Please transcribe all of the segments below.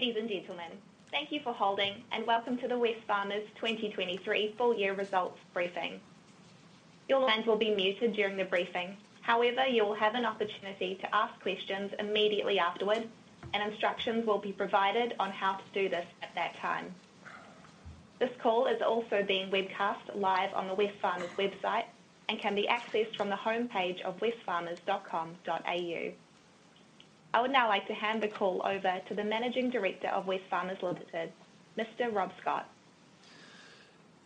Ladies and gentlemen, thank you for holding, and welcome to the Wesfarmers 2023 full year results briefing. Your lines will be muted during the briefing. However, you will have an opportunity to ask questions immediately afterward, and instructions will be provided on how to do this at that time. This call is also being webcast live on the Wesfarmers website and can be accessed from the homepage of wesfarmers.com.au. I would now like to hand the call over to the Managing Director of Wesfarmers Limited, Mr. Rob Scott.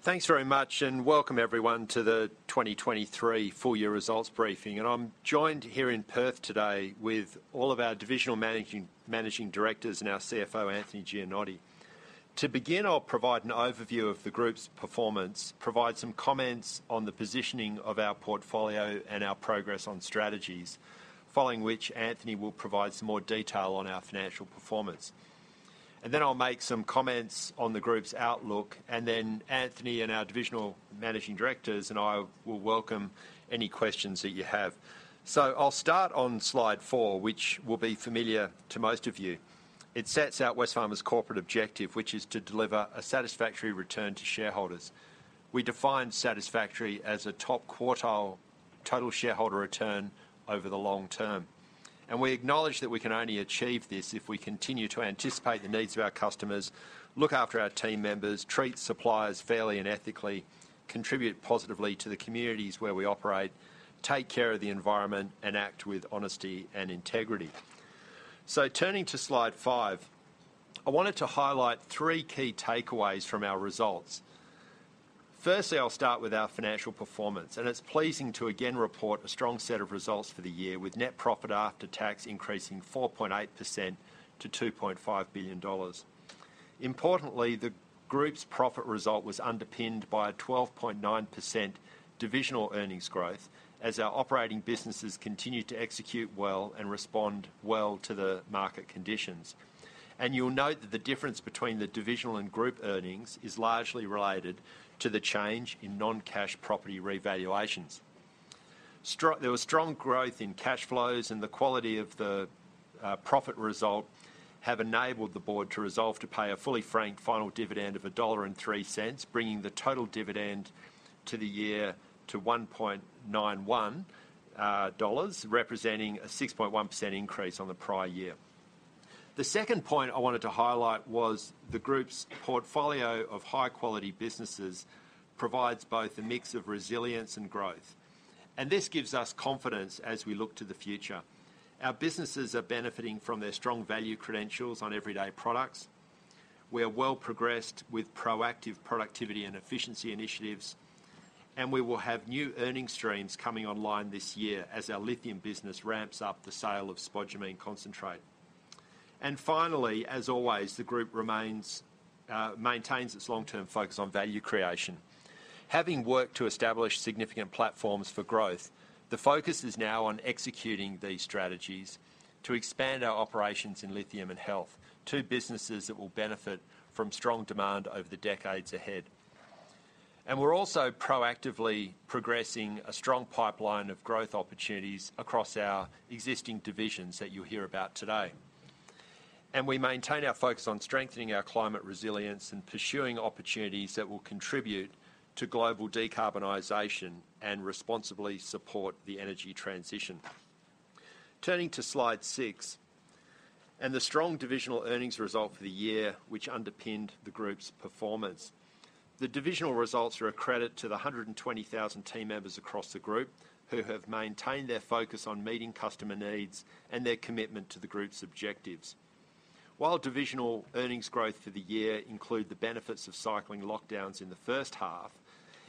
Thanks very much, and welcome everyone to the 2023 full-year results briefing. I'm joined here in Perth today with all of our divisional managing directors and our CFO, Anthony Gianotti. To begin, I'll provide an overview of the group's performance, provide some comments on the positioning of our portfolio and our progress on strategies, following which Anthony will provide some more detail on our financial performance. Then I'll make some comments on the group's outlook, and then Anthony and our divisional managing directors and I will welcome any questions that you have. I'll start on slide four, which will be familiar to most of you. It sets out Wesfarmers' corporate objective, which is to deliver a satisfactory return to shareholders. We define satisfactory as a top quartile total shareholder return over the long term, and we acknowledge that we can only achieve this if we continue to anticipate the needs of our customers, look after our team members, treat suppliers fairly and ethically, contribute positively to the communities where we operate, take care of the environment, and act with honesty and integrity. So turning to slide five, I wanted to highlight three key takeaways from our results. Firstly, I'll start with our financial performance, and it's pleasing to again report a strong set of results for the year, with net profit after tax increasing 4.8% to 2.5 billion dollars. Importantly, the group's profit result was underpinned by a 12.9% divisional earnings growth as our operating businesses continued to execute well and respond well to the market conditions. You'll note that the difference between the divisional and group earnings is largely related to the change in non-cash property revaluations. There was strong growth in cash flows, and the quality of the profit result has enabled the board to resolve to pay a fully franked final dividend of 1.03 dollar, bringing the total dividend for the year to 1.91 dollars, representing a 6.1% increase on the prior year. The second point I wanted to highlight was the group's portfolio of high-quality businesses provides both a mix of resilience and growth, and this gives us confidence as we look to the future. Our businesses are benefiting from their strong value credentials on everyday products. We are well progressed with proactive productivity and efficiency initiatives, and we will have new earning streams coming online this year as our lithium business ramps up the sale of spodumene concentrate. Finally, as always, the group remains, maintains its long-term focus on value creation. Having worked to establish significant platforms for growth, the focus is now on executing these strategies to expand our operations in lithium and health, two businesses that will benefit from strong demand over the decades ahead. We're also proactively progressing a strong pipeline of growth opportunities across our existing divisions that you'll hear about today. We maintain our focus on strengthening our climate resilience and pursuing opportunities that will contribute to global decarbonization and responsibly support the energy transition. Turning to slide six, and the strong divisional earnings result for the year, which underpinned the group's performance. The divisional results are a credit to the 120,000 team members across the group, who have maintained their focus on meeting customer needs and their commitment to the group's objectives. While divisional earnings growth for the year include the benefits of cycling lockdowns in the H1,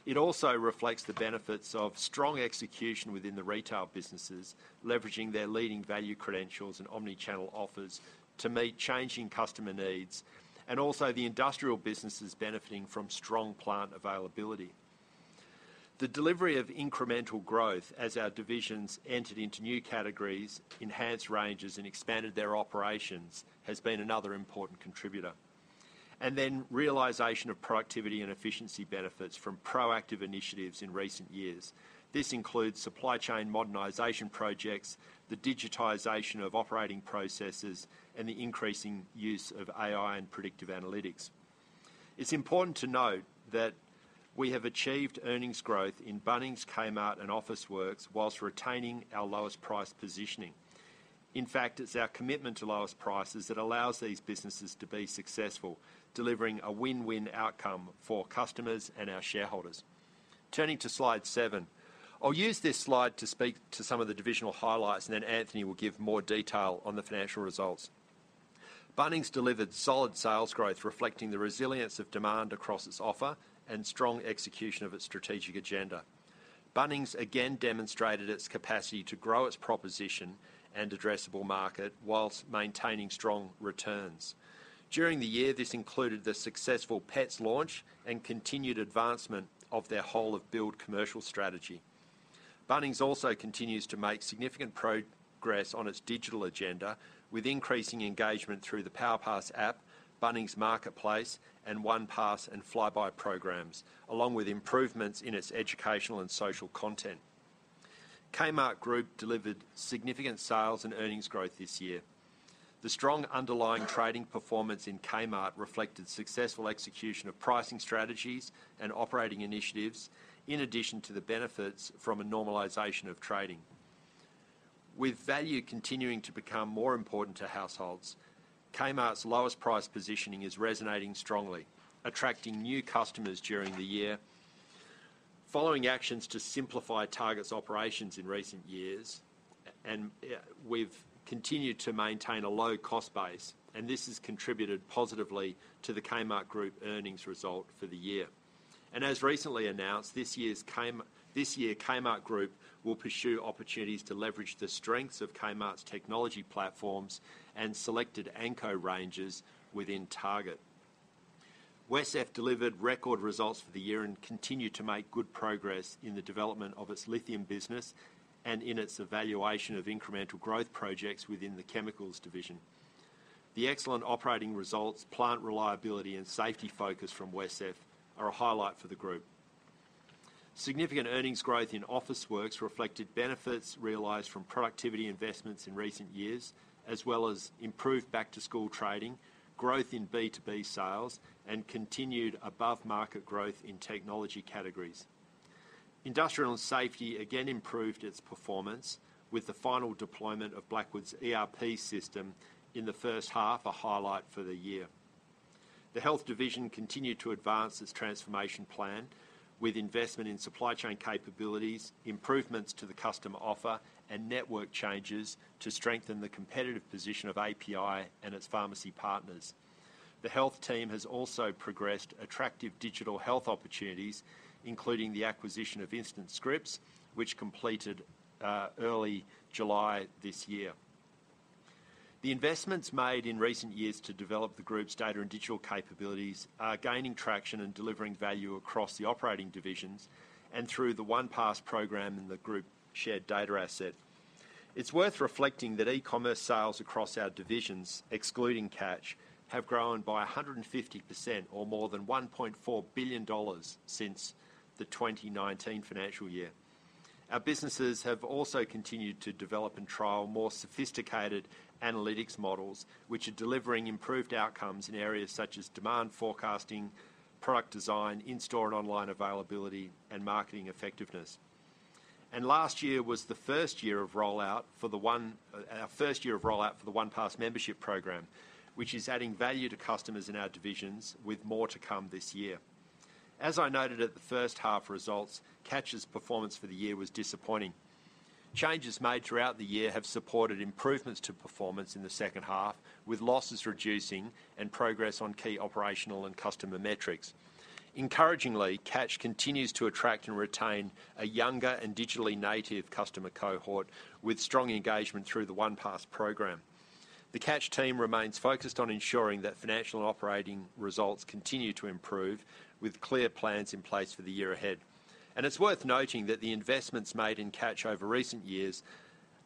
it also reflects the benefits of strong execution within the retail businesses, leveraging their leading value credentials and omni-channel offers to meet changing customer needs, and also the industrial businesses benefiting from strong plant availability. The delivery of incremental growth as our divisions entered into new categories, enhanced ranges, and expanded their operations, has been another important contributor. Then, realization of productivity and efficiency benefits from proactive initiatives in recent years. This includes supply chain modernization projects, the digitization of operating processes, and the increasing use of AI and predictive analytics. It's important to note that we have achieved earnings growth in Bunnings, Kmart, and Officeworks while retaining our lowest price positioning. In fact, it's our commitment to lowest prices that allows these businesses to be successful, delivering a win-win outcome for customers and our shareholders. Turning to slide seven. I'll use this slide to speak to some of the divisional highlights, and then Anthony will give more detail on the financial results. Bunnings delivered solid sales growth, reflecting the resilience of demand across its offer and strong execution of its strategic agenda. Bunnings again demonstrated its capacity to grow its proposition and addressable market while maintaining strong returns. During the year, this included the successful Pets launch and continued advancement of their whole-of-build commercial strategy. Bunnings also continues to make significant progress on its digital agenda, with increasing engagement through the PowerPass app, Bunnings Marketplace, and OnePass and Flybuys programs, along with improvements in its educational and social content. Kmart Group delivered significant sales and earnings growth this year. The strong underlying trading performance in Kmart reflected successful execution of pricing strategies and operating initiatives, in addition to the benefits from a normalization of trading. With value continuing to become more important to households, Kmart's lowest price positioning is resonating strongly, attracting new customers during the year. Following actions to simplify Target's operations in recent years, we've continued to maintain a low cost base, and this has contributed positively to the Kmart Group earnings result for the year. As recently announced, this year, Kmart Group will pursue opportunities to leverage the strengths of Kmart's technology platforms and selected Anko ranges within Target. WesCEF delivered record results for the year and continued to make good progress in the development of its lithium business and in its evaluation of incremental growth projects within the chemicals division. The excellent operating results, plant reliability, and safety focus from WesCEF are a highlight for the group. Significant earnings growth in Officeworks reflected benefits realized from productivity investments in recent years, as well as improved back-to-school trading, growth in B2B sales, and continued above-market growth in technology categories. Industrial and Safety again improved its performance with the final deployment of Blackwoods ERP system in the H1, a highlight for the year. The Health division continued to advance its transformation plan with investment in supply chain capabilities, improvements to the customer offer, and network changes to strengthen the competitive position of API and its pharmacy partners. The health team has also progressed attractive digital health opportunities, including the acquisition of InstantScripts, which completed early July this year. The investments made in recent years to develop the group's data and digital capabilities are gaining traction and delivering value across the operating divisions and through the OnePass program and the group shared data asset. It's worth reflecting that e-commerce sales across our divisions, excluding Catch, have grown by 150%, or more than 1.4 billion dollars since the 2019 financial year. Our businesses have also continued to develop and trial more sophisticated analytics models, which are delivering improved outcomes in areas such as demand forecasting, product design, in-store and online availability, and marketing effectiveness. And last year was the first year of rollout for the One, our first year of rollout for the OnePass membership program, which is adding value to customers in our divisions, with more to come this year. As I noted at the H1 results, Catch's performance for the year was disappointing. Changes made throughout the year have supported improvements to performance in the H2, with losses reducing and progress on key operational and customer metrics. Encouragingly, Catch continues to attract and retain a younger and digitally native customer cohort with strong engagement through the OnePass program. The Catch team remains focused on ensuring that financial and operating results continue to improve, with clear plans in place for the year ahead. It's worth noting that the investments made in Catch over recent years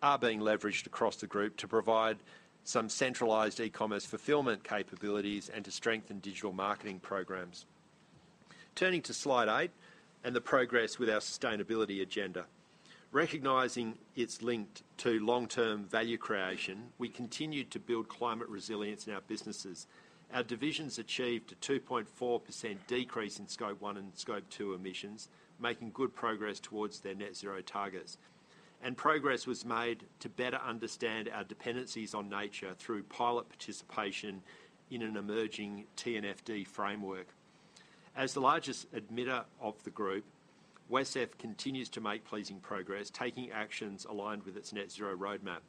are being leveraged across the group to provide some centralized e-commerce fulfillment capabilities and to strengthen digital marketing programs. Turning to slide eight and the progress with our sustainability agenda. Recognizing it's linked to long-term value creation, we continued to build climate resilience in our businesses. Our divisions achieved a 2.4% decrease in Scope 1 and Scope 2 emissions, making good progress towards their net zero targets. Progress was made to better understand our dependencies on nature through pilot participation in an emerging TNFD framework. As the largest emitter of the group, WesCEF continues to make pleasing progress, taking actions aligned with its net zero roadmap.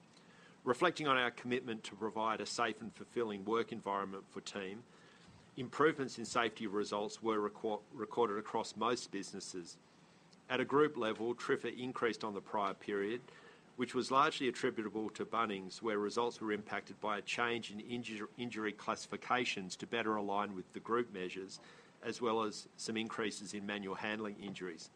Reflecting on our commitment to provide a safe and fulfilling work environment for team, improvements in safety results were recorded across most businesses. At a group level, TRIFR increased on the prior period, which was largely attributable to Bunnings, where results were impacted by a change in injury classifications to better align with the group measures, as well as some increases in manual handling injuries.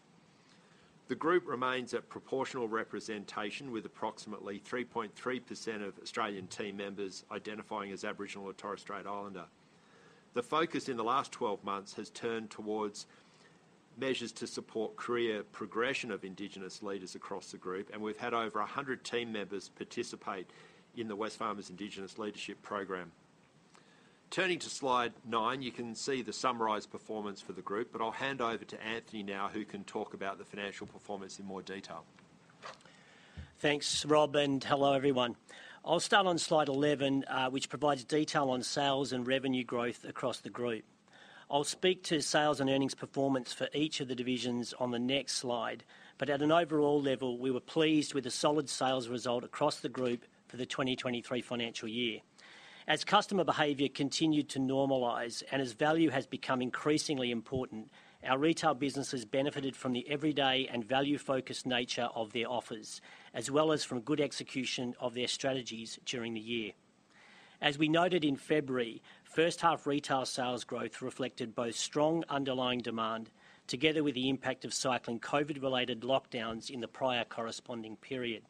The group remains at proportional representation, with approximately 3.3% of Australian team members identifying as Aboriginal or Torres Strait Islander. The focus in the last twelve months has turned towards measures to support career progression of Indigenous leaders across the group, and we've had over 100 team members participate in the Wesfarmers Indigenous Leadership Program. Turning to slide nine, you can see the summarized performance for the group, but I'll hand over to Anthony now, who can talk about the financial performance in more detail. Thanks, Rob, and hello, everyone. I'll start on Slide 11, which provides detail on sales and revenue growth across the group. I'll speak to sales and earnings performance for each of the divisions on the next slide, but at an overall level, we were pleased with the solid sales result across the group for the 2023 financial year. As customer behavior continued to normalize and as value has become increasingly important, our retail businesses benefited from the everyday and value-focused nature of their offers, as well as from good execution of their strategies during the year. As we noted in February, H1 retail sales growth reflected both strong underlying demand, together with the impact of cycling COVID-related lockdowns in the prior corresponding period.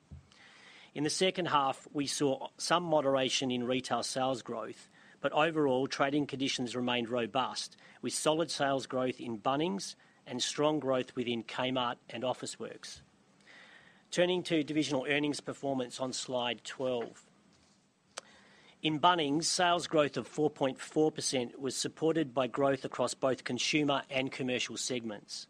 In the H2, we saw some moderation in retail sales growth, but overall, trading conditions remained robust, with solid sales growth in Bunnings and strong growth within Kmart and Officeworks. Turning to divisional earnings performance on Slide 12. In Bunnings, sales growth of 4.4% was supported by growth across both consumer and commercial segments.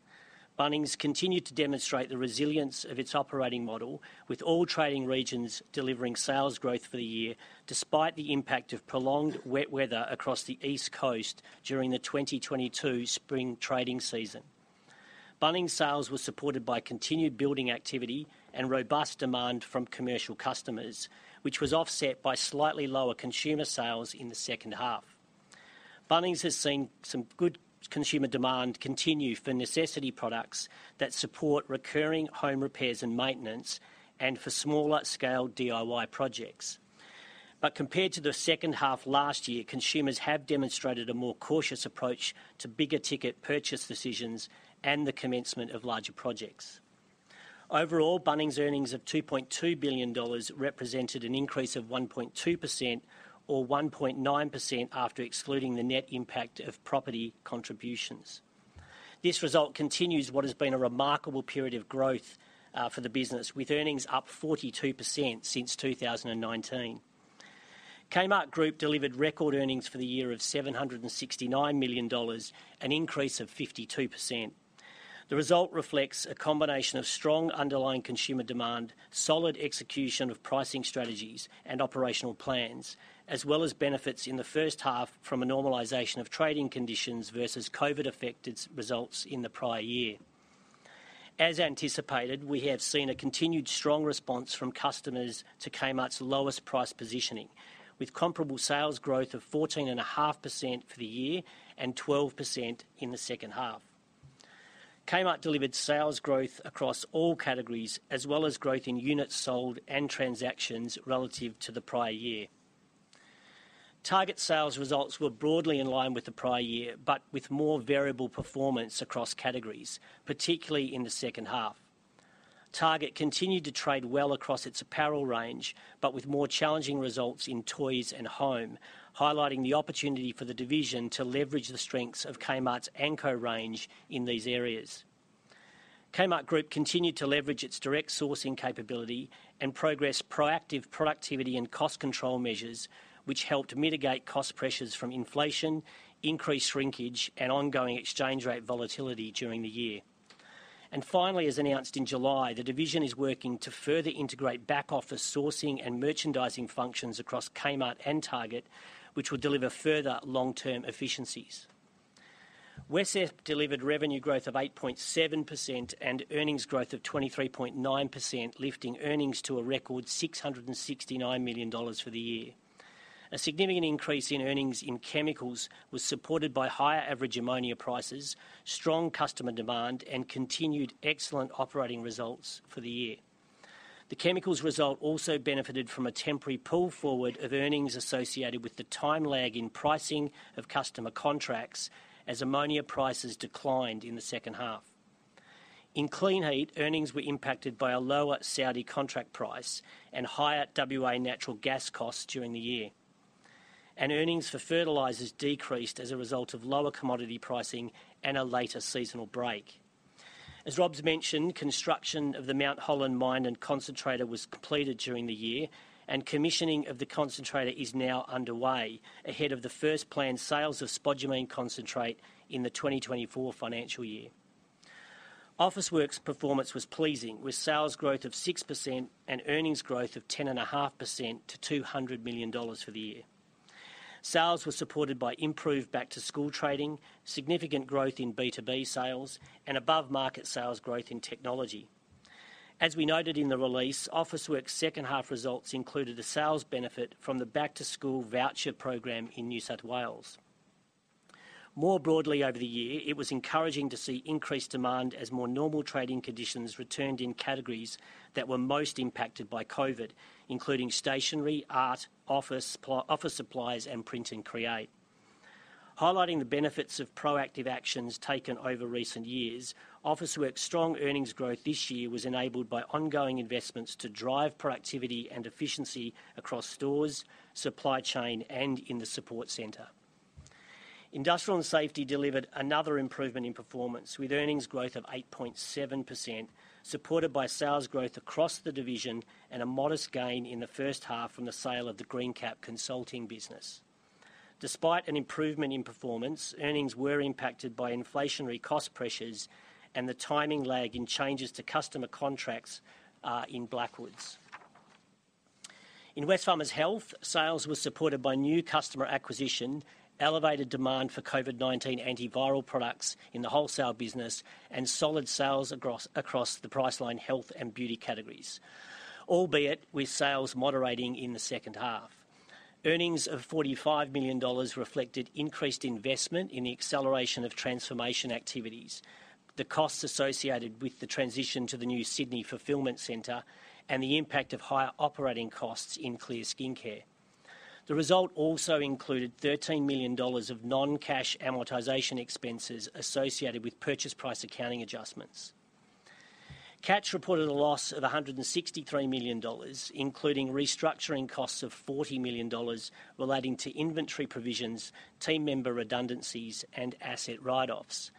Bunnings continued to demonstrate the resilience of its operating model, with all trading regions delivering sales growth for the year, despite the impact of prolonged wet weather across the East Coast during the 2022 spring trading season. Bunnings' sales were supported by continued building activity and robust demand from commercial customers, which was offset by slightly lower consumer sales in the H2. Bunnings has seen some good consumer demand continue for necessity products that support recurring home repairs and maintenance, and for smaller scale DIY projects. But compared to the H2 last year, consumers have demonstrated a more cautious approach to bigger ticket purchase decisions and the commencement of larger projects. Overall, Bunnings' earnings of 2.2 billion dollars represented an increase of 1.2%, or 1.9% after excluding the net impact of property contributions. This result continues what has been a remarkable period of growth, for the business, with earnings up 42% since 2019. Kmart Group delivered record earnings for the year of 769 million dollars, an increase of 52%. The result reflects a combination of strong underlying consumer demand, solid execution of pricing strategies and operational plans, as well as benefits in the H1 from a normalization of trading conditions versus COVID-affected results in the prior year. As anticipated, we have seen a continued strong response from customers to Kmart's lowest price positioning, with comparable sales growth of 14.5% for the year and 12% in the H2. Kmart delivered sales growth across all categories, as well as growth in units sold and transactions relative to the prior year. Target sales results were broadly in line with the prior year, but with more variable performance across categories, particularly in the H2. Target continued to trade well across its apparel range, but with more challenging results in toys and home, highlighting the opportunity for the division to leverage the strengths of Kmart's Anko range in these areas. Kmart Group continued to leverage its direct sourcing capability and progress proactive productivity and cost control measures, which helped mitigate cost pressures from inflation, increased shrinkage, and ongoing exchange rate volatility during the year. And finally, as announced in July, the division is working to further integrate back office sourcing and merchandising functions across Kmart and Target, which will deliver further long-term efficiencies. WesCEF delivered revenue growth of 8.7% and earnings growth of 23.9%, lifting earnings to a record 669 million dollars for the year. A significant increase in earnings in chemicals was supported by higher average ammonia prices, strong customer demand, and continued excellent operating results for the year. The chemicals result also benefited from a temporary pull forward of earnings associated with the time lag in pricing of customer contracts, as ammonia prices declined in the H2. In Kleenheat, earnings were impacted by a lower Saudi contract price and higher WA natural gas costs during the year. Earnings for fertilizers decreased as a result of lower commodity pricing and a later seasonal break. As Rob's mentioned, construction of the Mount Holland mine and concentrator was completed during the year, and commissioning of the concentrator is now underway, ahead of the first planned sales of spodumene concentrate in the 2024 financial year. Officeworks' performance was pleasing, with sales growth of 6% and earnings growth of 10.5% to 200 million dollars for the year. Sales were supported by improved back-to-school trading, significant growth in B2B sales, and above-market sales growth in technology. As we noted in the release, Officeworks' H2 results included a sales benefit from the back-to-school voucher program in New South Wales. More broadly over the year, it was encouraging to see increased demand as more normal trading conditions returned in categories that were most impacted by COVID, including stationery, art, office supplies, and print and create. Highlighting the benefits of proactive actions taken over recent years, Officeworks' strong earnings growth this year was enabled by ongoing investments to drive productivity and efficiency across stores, supply chain, and in the support center. Industrial and Safety delivered another improvement in performance, with earnings growth of 8.7%, supported by sales growth across the division and a modest gain in the H1 from the sale of the Greencap consulting business. Despite an improvement in performance, earnings were impacted by inflationary cost pressures and the timing lag in changes to customer contracts in Blackwoods. In Wesfarmers Health, sales were supported by new customer acquisition, elevated demand for COVID-19 antiviral products in the wholesale business, and solid sales across the Priceline Health and Beauty categories, albeit with sales moderating in the H2. Earnings of 45 million dollars reflected increased investment in the acceleration of transformation activities, the costs associated with the transition to the new Sydney Fulfillment center, and the impact of higher operating costs in Clear Skincare. The result also included 13 million dollars of non-cash amortization expenses associated with purchase price accounting adjustments. Catch reported a loss of 163 million dollars, including restructuring costs of 40 million dollars relating to inventory provisions, team member redundancies, and asset write-offs.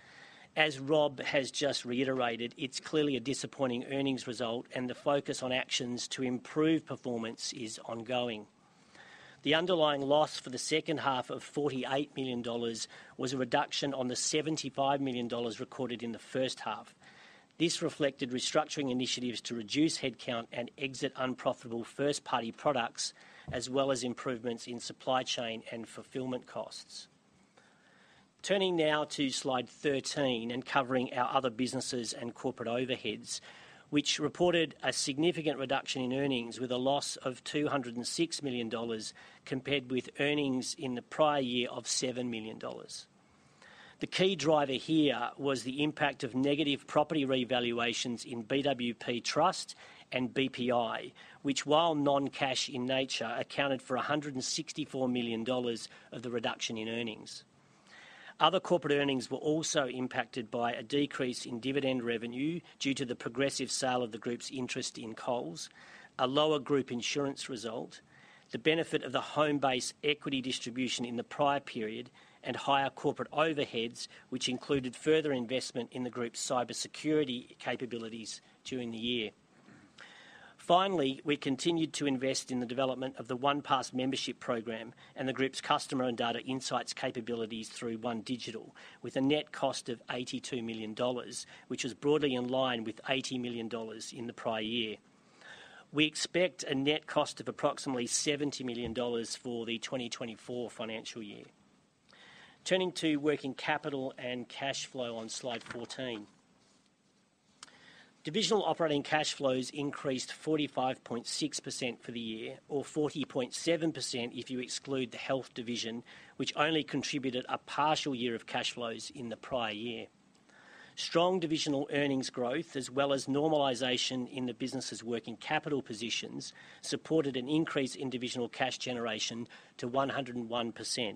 As Rob has just reiterated, it's clearly a disappointing earnings result, and the focus on actions to improve performance is ongoing. The underlying loss for the H2 of 48 million dollars was a reduction on the 75 million dollars recorded in the H1. This reflected restructuring initiatives to reduce headcount and exit unprofitable first-party products, as well as improvements in supply chain and fulfillment costs. Turning now to Slide 13 and covering our other businesses and corporate overheads, which reported a significant reduction in earnings with a loss of 206 million dollars, compared with earnings in the prior year of 7 million dollars. The key driver here was the impact of negative property revaluations in BWP Trust and ISPT, which, while non-cash in nature, accounted for a 164 million dollars of the reduction in earnings. Other corporate earnings were also impacted by a decrease in dividend revenue due to the progressive sale of the group's interest in Coles, a lower group insurance result, the benefit of the Homebase equity distribution in the prior period, and higher corporate overheads, which included further investment in the group's cybersecurity capabilities during the year. Finally, we continued to invest in the development of the OnePass membership program and the group's customer and data insights capabilities through OneDigital, with a net cost of 82 million dollars, which is broadly in line with 80 million dollars in the prior year. We expect a net cost of approximately 70 million dollars for the 2024 financial year. Turning to working capital and cash flow on Slide 14. Divisional operating cash flows increased 45.6% for the year, or 40.7% if you exclude the health division, which only contributed a partial year of cash flows in the prior year. Strong divisional earnings growth, as well as normalization in the business's working capital positions, supported an increase in divisional cash generation to 101%.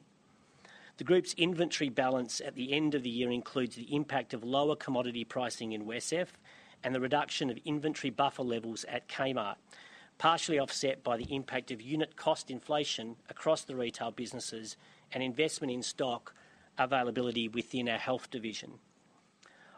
The group's inventory balance at the end of the year includes the impact of lower commodity pricing in WesCEF and the reduction of inventory buffer levels at Kmart, partially offset by the impact of unit cost inflation across the retail businesses and investment in stock availability within our health division.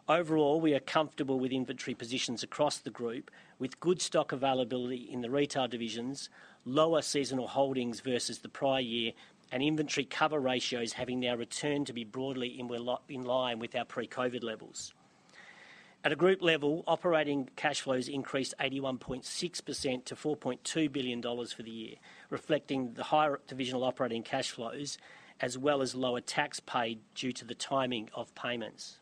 Overall, we are comfortable with inventory positions across the group, with good stock availability in the retail divisions, lower seasonal holdings versus the prior year, and inventory cover ratios having now returned to be broadly inline with our pre-COVID levels. At a group level, operating cash flows increased 81.6% to 4.2 billion dollars for the year, reflecting the higher divisional operating cash flows, as well as lower tax paid due to the timing of payments.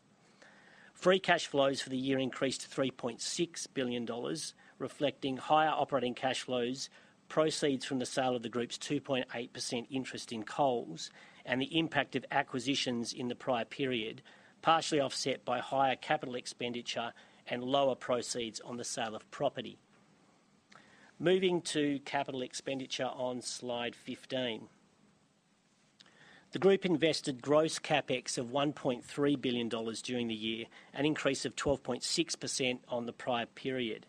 Free cash flows for the year increased to 3.6 billion dollars, reflecting higher operating cash flows, proceeds from the sale of the group's 2.8% interest in Coles, and the impact of acquisitions in the prior period, partially offset by higher capital expenditure and lower proceeds on the sale of property. Moving to capital expenditure on Slide 15. The group invested gross CapEx of 1.3 billion dollars during the year, an increase of 12.6% on the prior period.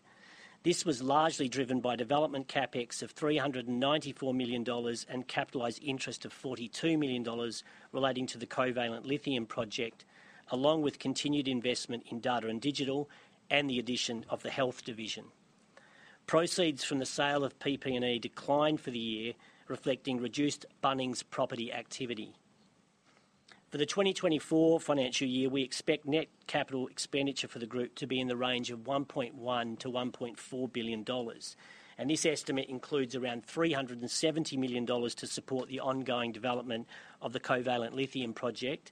This was largely driven by development CapEx of 394 million dollars and capitalized interest of 42 million dollars relating to the Covalent Lithium project, along with continued investment in data and digital, and the addition of the health division. Proceeds from the sale of PP&E declined for the year, reflecting reduced Bunnings property activity. For the 2024 financial year, we expect net capital expenditure for the group to be in the range of 1.1 billion-1.4 billion dollars, and this estimate includes around 370 million dollars to support the ongoing development of the Covalent Lithium project,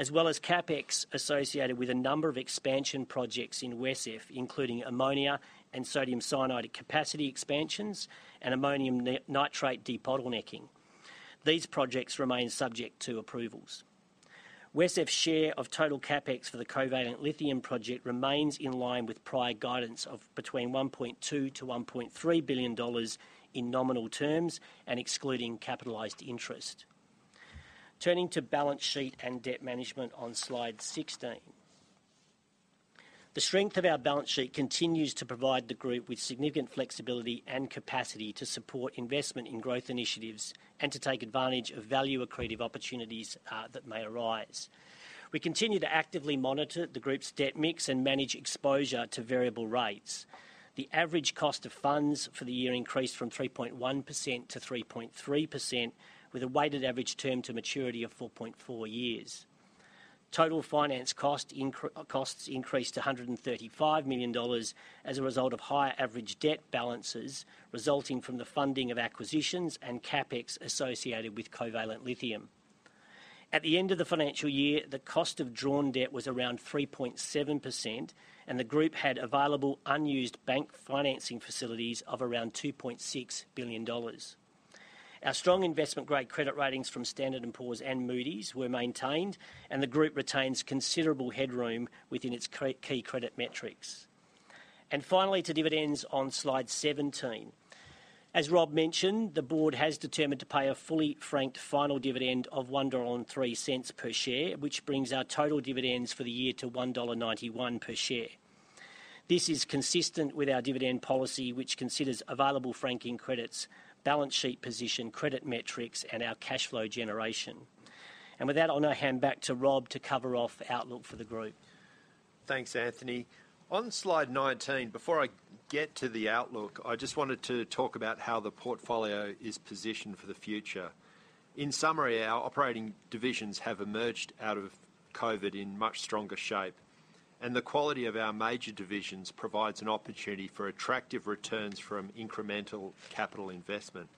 as well as CapEx associated with a number of expansion projects in WesCEF, including ammonia and sodium cyanide capacity expansions and ammonium nitrate debottlenecking. These projects remain subject to approvals. WesCEF's share of total CapEx for the Covalent Lithium project remains in line with prior guidance of between 1.2 billion-1.3 billion dollars in nominal terms and excluding capitalized interest. Turning to balance sheet and debt management on Slide 16. The strength of our balance sheet continues to provide the group with significant flexibility and capacity to support investment in growth initiatives and to take advantage of value-accretive opportunities, that may arise. We continue to actively monitor the group's debt mix and manage exposure to variable rates. The average cost of funds for the year increased from 3.1%-3.3%, with a weighted average term to maturity of 4.4 years. Total finance costs increased to 135 million dollars as a result of higher average debt balances resulting from the funding of acquisitions and CapEx associated with Covalent Lithium. At the end of the financial year, the cost of drawn debt was around 3.7%, and the group had available unused bank financing facilities of around 2.6 billion dollars. Our strong investment-grade credit ratings from Standard & Poor's and Moody's were maintained, and the group retains considerable headroom within its key credit metrics. Finally, to dividends on Slide 17. As Rob mentioned, the board has determined to pay a fully franked final dividend of 1.03 dollar per share, which brings our total dividends for the year to 1.91 dollar per share. This is consistent with our dividend policy, which considers available franking credits, balance sheet position, credit metrics, and our cash flow generation. And with that, I'll now hand back to Rob to cover off outlook for the group. Thanks, Anthony. On Slide 19, before I get to the outlook, I just wanted to talk about how the portfolio is positioned for the future. In summary, our operating divisions have emerged out of COVID in much stronger shape, and the quality of our major divisions provides an opportunity for attractive returns from incremental capital investment.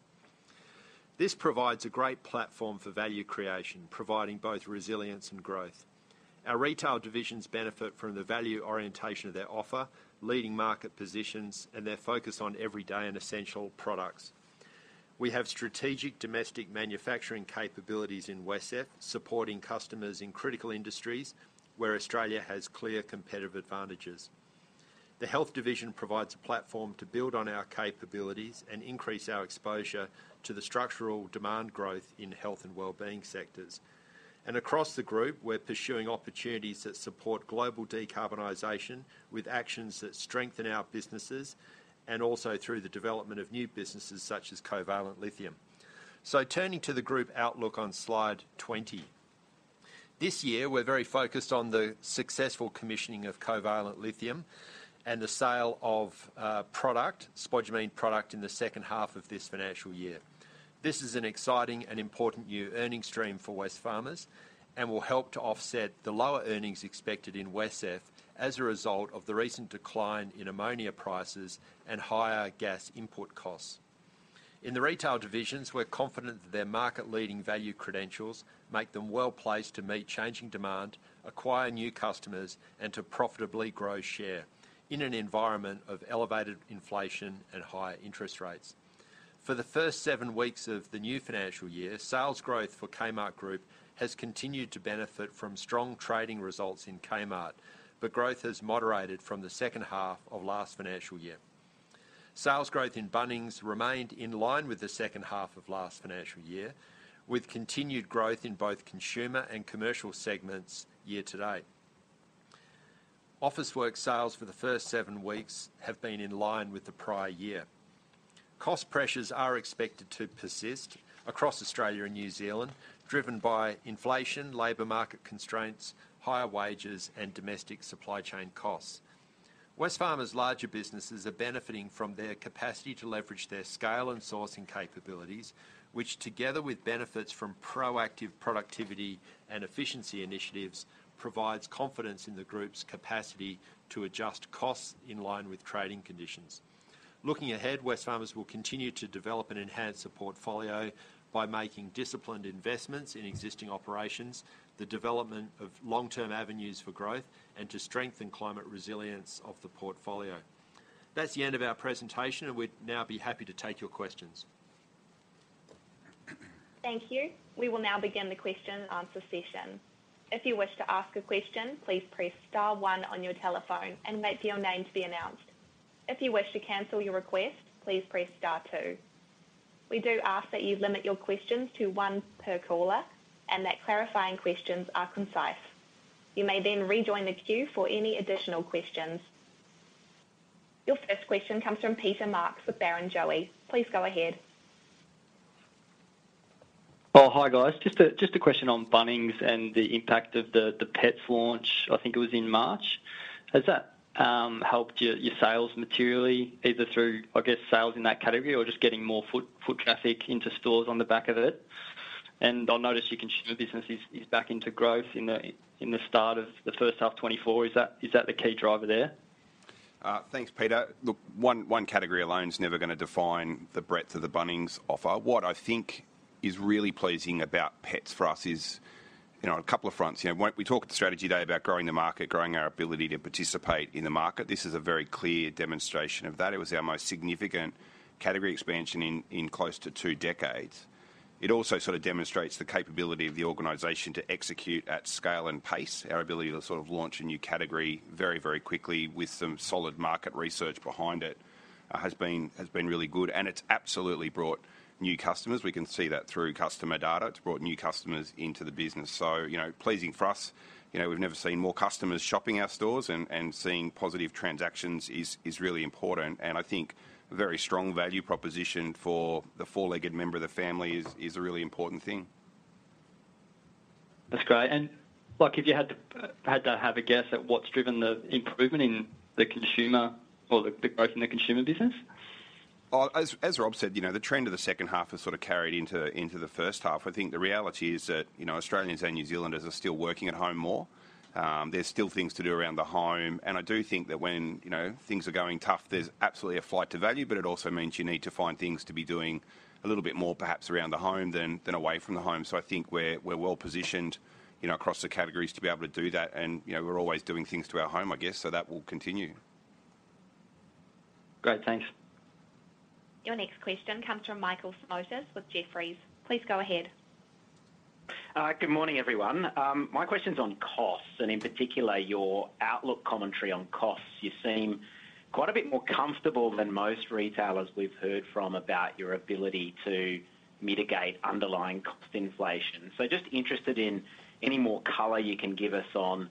This provides a great platform for value creation, providing both resilience and growth. Our retail divisions benefit from the value orientation of their offer, leading market positions, and their focus on everyday and essential products. We have strategic domestic manufacturing capabilities in WesCEF, supporting customers in critical industries where Australia has clear competitive advantages. The health division provides a platform to build on our capabilities and increase our exposure to the structural demand growth in health and well-being sectors. Across the group, we're pursuing opportunities that support global decarbonization, with actions that strengthen our businesses, and also through the development of new businesses such as Covalent Lithium. So turning to the group outlook on Slide 20. This year, we're very focused on the successful commissioning of Covalent Lithium and the sale of product, spodumene product, in the H2 of this financial year. This is an exciting and important new earnings stream for Wesfarmers and will help to offset the lower earnings expected in WesCEF as a result of the recent decline in ammonia prices and higher gas input costs. In the retail divisions, we're confident that their market-leading value credentials make them well-placed to meet changing demand, acquire new customers, and to profitably grow share in an environment of elevated inflation and higher interest rates. For the first seven weeks of the new financial year, sales growth for Kmart Group has continued to benefit from strong trading results in Kmart, but growth has moderated from the H2 of last financial year. Sales growth in Bunnings remained in line with the H2 of last financial year, with continued growth in both consumer and commercial segments year to date. Officeworks sales for the first seven weeks have been in line with the prior year. Cost pressures are expected to persist across Australia and New Zealand, driven by inflation, labor market constraints, higher wages, and domestic supply chain costs. Wesfarmers' larger businesses are benefiting from their capacity to leverage their scale and sourcing capabilities, which, together with benefits from proactive productivity and efficiency initiatives, provides confidence in the Group's capacity to adjust costs in line with trading conditions. Looking ahead, Wesfarmers will continue to develop and enhance the portfolio by making disciplined investments in existing operations, the development of long-term avenues for growth, and to strengthen climate resilience of the portfolio. That's the end of our presentation, and we'd now be happy to take your questions. Thank you. We will now begin the question and answer session. If you wish to ask a question, please press star one on your telephone and wait for your name to be announced. If you wish to cancel your request, please press star two. We do ask that you limit your questions to one per caller and that clarifying questions are concise. You may then rejoin the queue for any additional questions. Your first question comes from Peter Marks with Barrenjoey. Please go ahead. Oh, hi, guys. Just a question on Bunnings and the impact of the pets launch, I think it was in March. Has that helped your sales materially, either through, I guess, sales in that category or just getting more foot traffic into stores on the back of it? And I'll notice your consumer business is back into growth in the start of the H1 2024. Is that the key driver there? Thanks, Peter. Look, one category alone is never gonna define the breadth of the Bunnings offer. What I think is really pleasing about pets for us is, you know, on a couple of fronts. You know, when we talked at the strategy today about growing the market, growing our ability to participate in the market, this is a very clear demonstration of that. It was our most significant category expansion in close to two decades. It also sort of demonstrates the capability of the organization to execute at scale and pace. Our ability to sort of launch a new category very, very quickly with some solid market research behind it has been really good, and it's absolutely brought new customers. We can see that through customer data. It's brought new customers into the business. So, you know, pleasing for us. You know, we've never seen more customers shopping our stores and seeing positive transactions is really important. I think a very strong value proposition for the four-legged member of the family is a really important thing. That's great. And, like, if you had to have a guess at what's driven the improvement in the consumer or the, the growth in the consumer business? As Rob said, you know, the trend of the H2 has sort of carried into the H1. I think the reality is that, you know, Australians and New Zealanders are still working at home more. There's still things to do around the home, and I do think that when, you know, things are going tough, there's absolutely a flight to value, but it also means you need to find things to be doing a little bit more, perhaps, around the home than away from the home. So I think we're well positioned, you know, across the categories to be able to do that and, you know, we're always doing things to our home, I guess, so that will continue. Great, thanks. Your next question comes from Michael Simotas with Jefferies. Please go ahead. ... Good morning, everyone. My question's on costs, and in particular, your outlook commentary on costs. You seem quite a bit more comfortable than most retailers we've heard from about your ability to mitigate underlying cost inflation. So just interested in any more color you can give us on,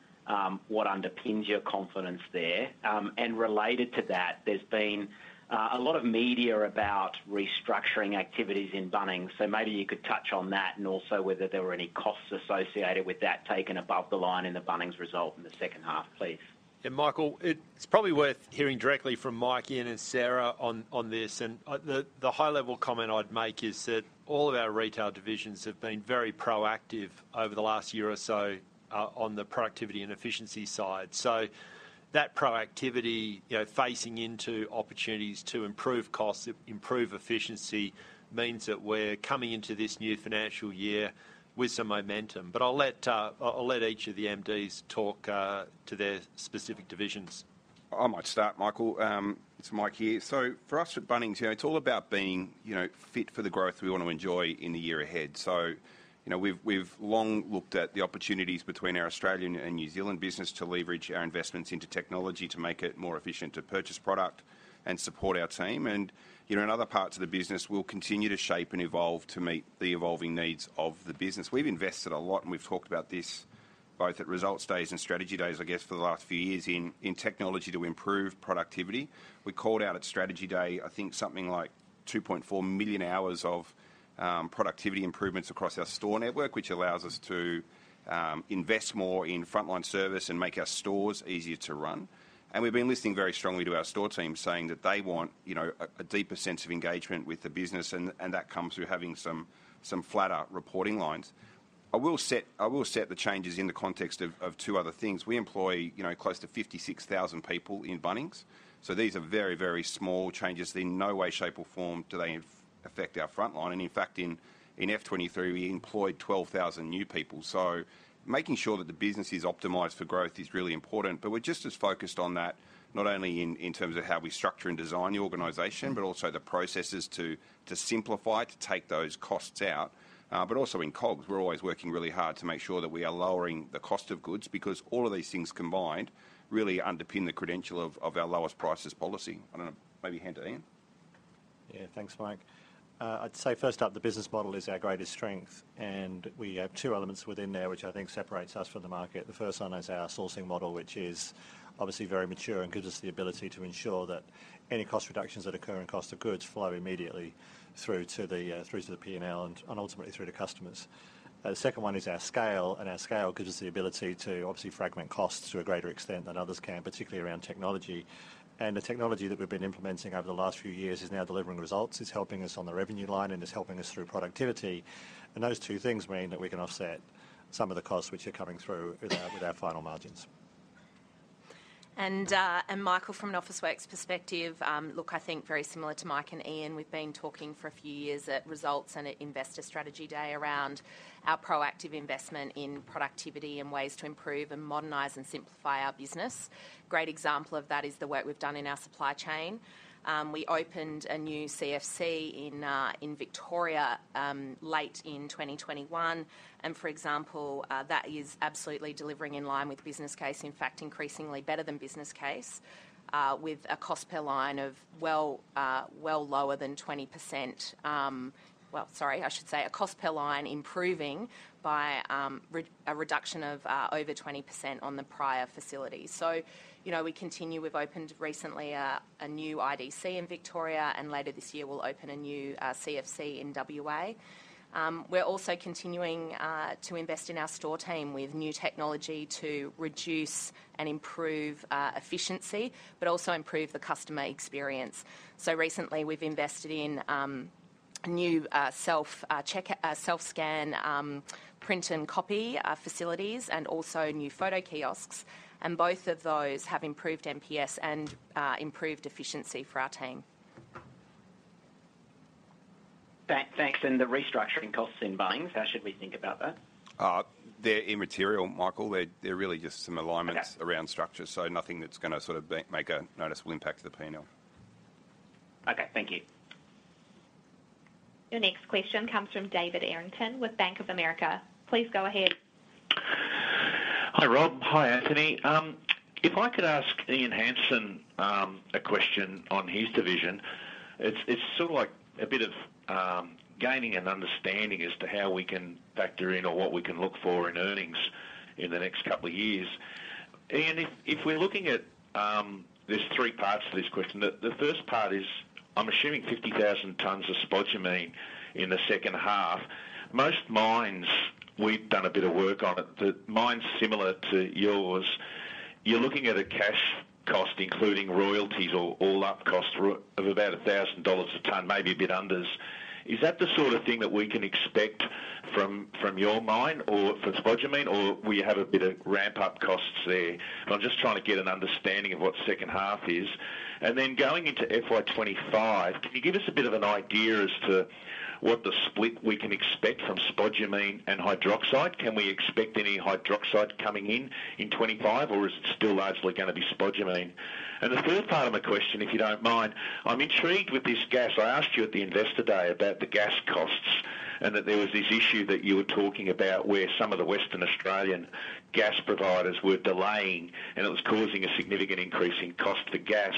what underpins your confidence there. And related to that, there's been, a lot of media about restructuring activities in Bunnings, so maybe you could touch on that, and also whether there were any costs associated with that taken above the line in the Bunnings result in the H2, please. Yeah, Michael, it's probably worth hearing directly from Mike, Ian, and Sarah on this. And the high-level comment I'd make is that all of our retail divisions have been very proactive over the last year or so on the productivity and efficiency side. So that proactivity, you know, facing into opportunities to improve costs, improve efficiency, means that we're coming into this new financial year with some momentum. But I'll let each of the MDs talk to their specific divisions. I might start, Michael. It's Mike here. So for us at Bunnings, you know, it's all about being, you know, fit for the growth we want to enjoy in the year ahead. So, you know, we've long looked at the opportunities between our Australian and New Zealand business to leverage our investments into technology, to make it more efficient, to purchase product and support our team. And, you know, in other parts of the business, we'll continue to shape and evolve to meet the evolving needs of the business. We've invested a lot, and we've talked about this both at results days and strategy days, I guess, for the last few years in technology to improve productivity. We called out at Strategy Day, I think, something like 2.4 million hours of productivity improvements across our store network, which allows us to invest more in frontline service and make our stores easier to run. And we've been listening very strongly to our store team, saying that they want, you know, a deeper sense of engagement with the business, and that comes through having some flatter reporting lines. I will set, I will set the changes in the context of two other things. We employ, you know, close to 56,000 people in Bunnings, so these are very, very small changes. In no way, shape, or form do they affect our frontline. And in fact, in FY 2023, we employed 12,000 new people. So making sure that the business is optimized for growth is really important. But we're just as focused on that, not only in terms of how we structure and design the organization, but also the processes to simplify, to take those costs out. But also in COGS, we're always working really hard to make sure that we are lowering the cost of goods, because all of these things combined really underpin the credential of our lowest prices policy. I don't know, maybe hand to Ian. Yeah, thanks, Mike. I'd say first up, the business model is our greatest strength, and we have two elements within there, which I think separates us from the market. The first one is our sourcing model, which is obviously very mature and gives us the ability to ensure that any cost reductions that occur in cost of goods flow immediately through to the, through to the P&L and, and ultimately through to customers. The second one is our scale, and our scale gives us the ability to obviously fragment costs to a greater extent than others can, particularly around technology. And the technology that we've been implementing over the last few years is now delivering results, it's helping us on the revenue line, and it's helping us through productivity. Those two things mean that we can offset some of the costs which are coming through with our final margins. Michael, from an Officeworks perspective, look, I think very similar to Mike and Ian, we've been talking for a few years at Results and at Investor Strategy Day around our proactive investment in productivity and ways to improve and modernize and simplify our business. Great example of that is the work we've done in our supply chain. We opened a new CFC in, in Victoria, late in 2021. And, for example, that is absolutely delivering in line with business case, in fact, increasingly better than business case, with a cost per line of well, well lower than 20%. Well, sorry, I should say a cost per line improving by, a reduction of, over 20% on the prior facility. So, you know, we continue. We've opened recently a new IDC in Victoria, and later this year, we'll open a new CFC in WA. We're also continuing to invest in our store team with new technology to reduce and improve efficiency, but also improve the customer experience. So recently we've invested in new self check self-scan print and copy facilities, and also new photo kiosks, and both of those have improved NPS and improved efficiency for our team. Thanks. And the restructuring costs in Bunnings, how should we think about that? They're immaterial, Michael. They're really just some alignments- Okay. around structure, so nothing that's gonna sort of make a noticeable impact to the P&L. Okay, thank you. Your next question comes from David Errington with Bank of America. Please go ahead. Hi, Rob. Hi, Anthony. If I could ask Ian Hansen a question on his division, it's sort of like a bit of gaining an understanding as to how we can factor in or what we can look for in earnings in the next couple of years. Ian, if we're looking at... There's three parts to this question. The first part is, I'm assuming 50,000 tons of spodumene in the H2. Most mines, we've done a bit of work on it, the mines similar to yours, you're looking at a cash cost, including royalties or all-up costs, of about 1,000 dollars a ton, maybe a bit under. Is that the sort of thing that we can expect from your mine or for spodumene, or we have a bit of ramp-up costs there? I'm just trying to get an understanding of what H2 is. And then going into FY 2025, can you give us a bit of an idea as to what the split we can expect from spodumene and hydroxide? Can we expect any hydroxide coming in in 25, or is it still largely gonna be spodumene? And the third part of my question, if you don't mind, I'm intrigued with this gas. I asked you at the Investor Day about the gas costs, and that there was this issue that you were talking about where some of the Western Australian gas providers were delaying, and it was causing a significant increase in cost to gas.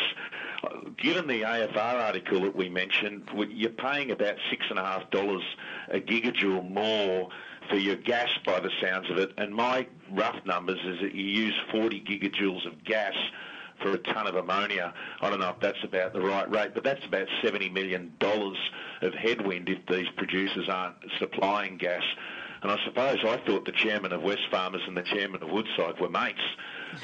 Given the AFR article that we mentioned, you're paying about 6.5 dollars a gigajoule more for your gas, by the sounds of it, and my rough numbers is that you use 40 gigajoules of gas for a ton of ammonia. I don't know if that's about the right rate, but that's about 70 million dollars of headwind if these producers aren't supplying gas. And I suppose I thought the chairman of Wesfarmers and the chairman of Woodside were mates.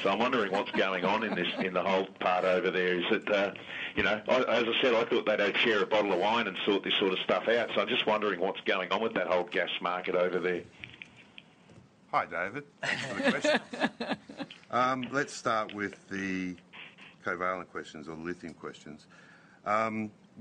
So I'm wondering what's going on in this, in the whole part over there. Is it, you know, I, as I said, I thought they'd share a bottle of wine and sort this sort of stuff out, so I'm just wondering what's going on with that whole gas market over there. Hi, David. Good question. Let's start with the Covalent questions or lithium questions.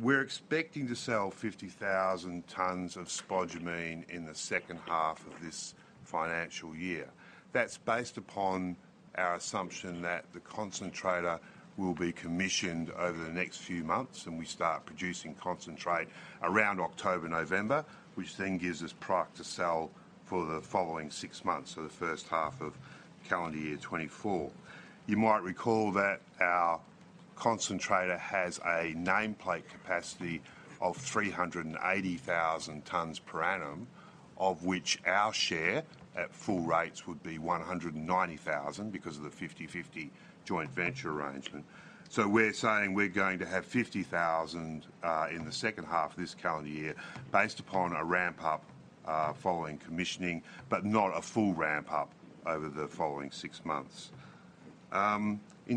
We're expecting to sell 50,000 tons of spodumene in the H2 of this financial year. That's based upon our assumption that the concentrator will be commissioned over the next few months, and we start producing concentrate around October, November, which then gives us product to sell for the following six months, so the H1 of calendar year 2024. You might recall that our concentrator has a nameplate capacity of 380,000 tons per annum, of which our share at full rates would be 190,000, because of the 50/50 joint venture arrangement. So we're saying we're going to have 50,000 in the H2 of this calendar year, based upon a ramp-up following commissioning, but not a full ramp-up over the following six months.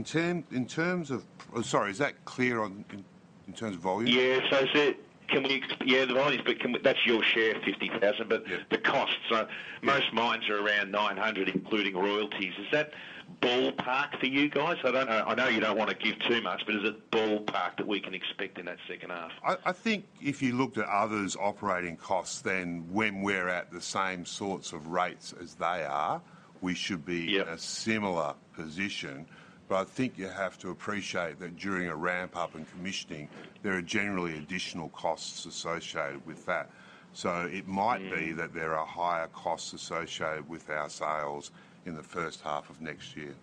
Sorry, is that clear in terms of volume? Yeah. So is it? Can we? Yeah, the volumes, but can we? That's your share, 50,000. Yeah. But the cost. Yeah. Most mines are around 900, including royalties. Is that ballpark for you guys? I don't know... I know you don't want to give too much, but is it ballpark that we can expect in that H2? I think if you looked at others' operating costs, then when we're at the same sorts of rates as they are, we should be- Yeah in a similar position. But I think you have to appreciate that during a ramp-up and commissioning, there are generally additional costs associated with that. So it might be- Mm that there are higher costs associated with our sales in the H1 of next year.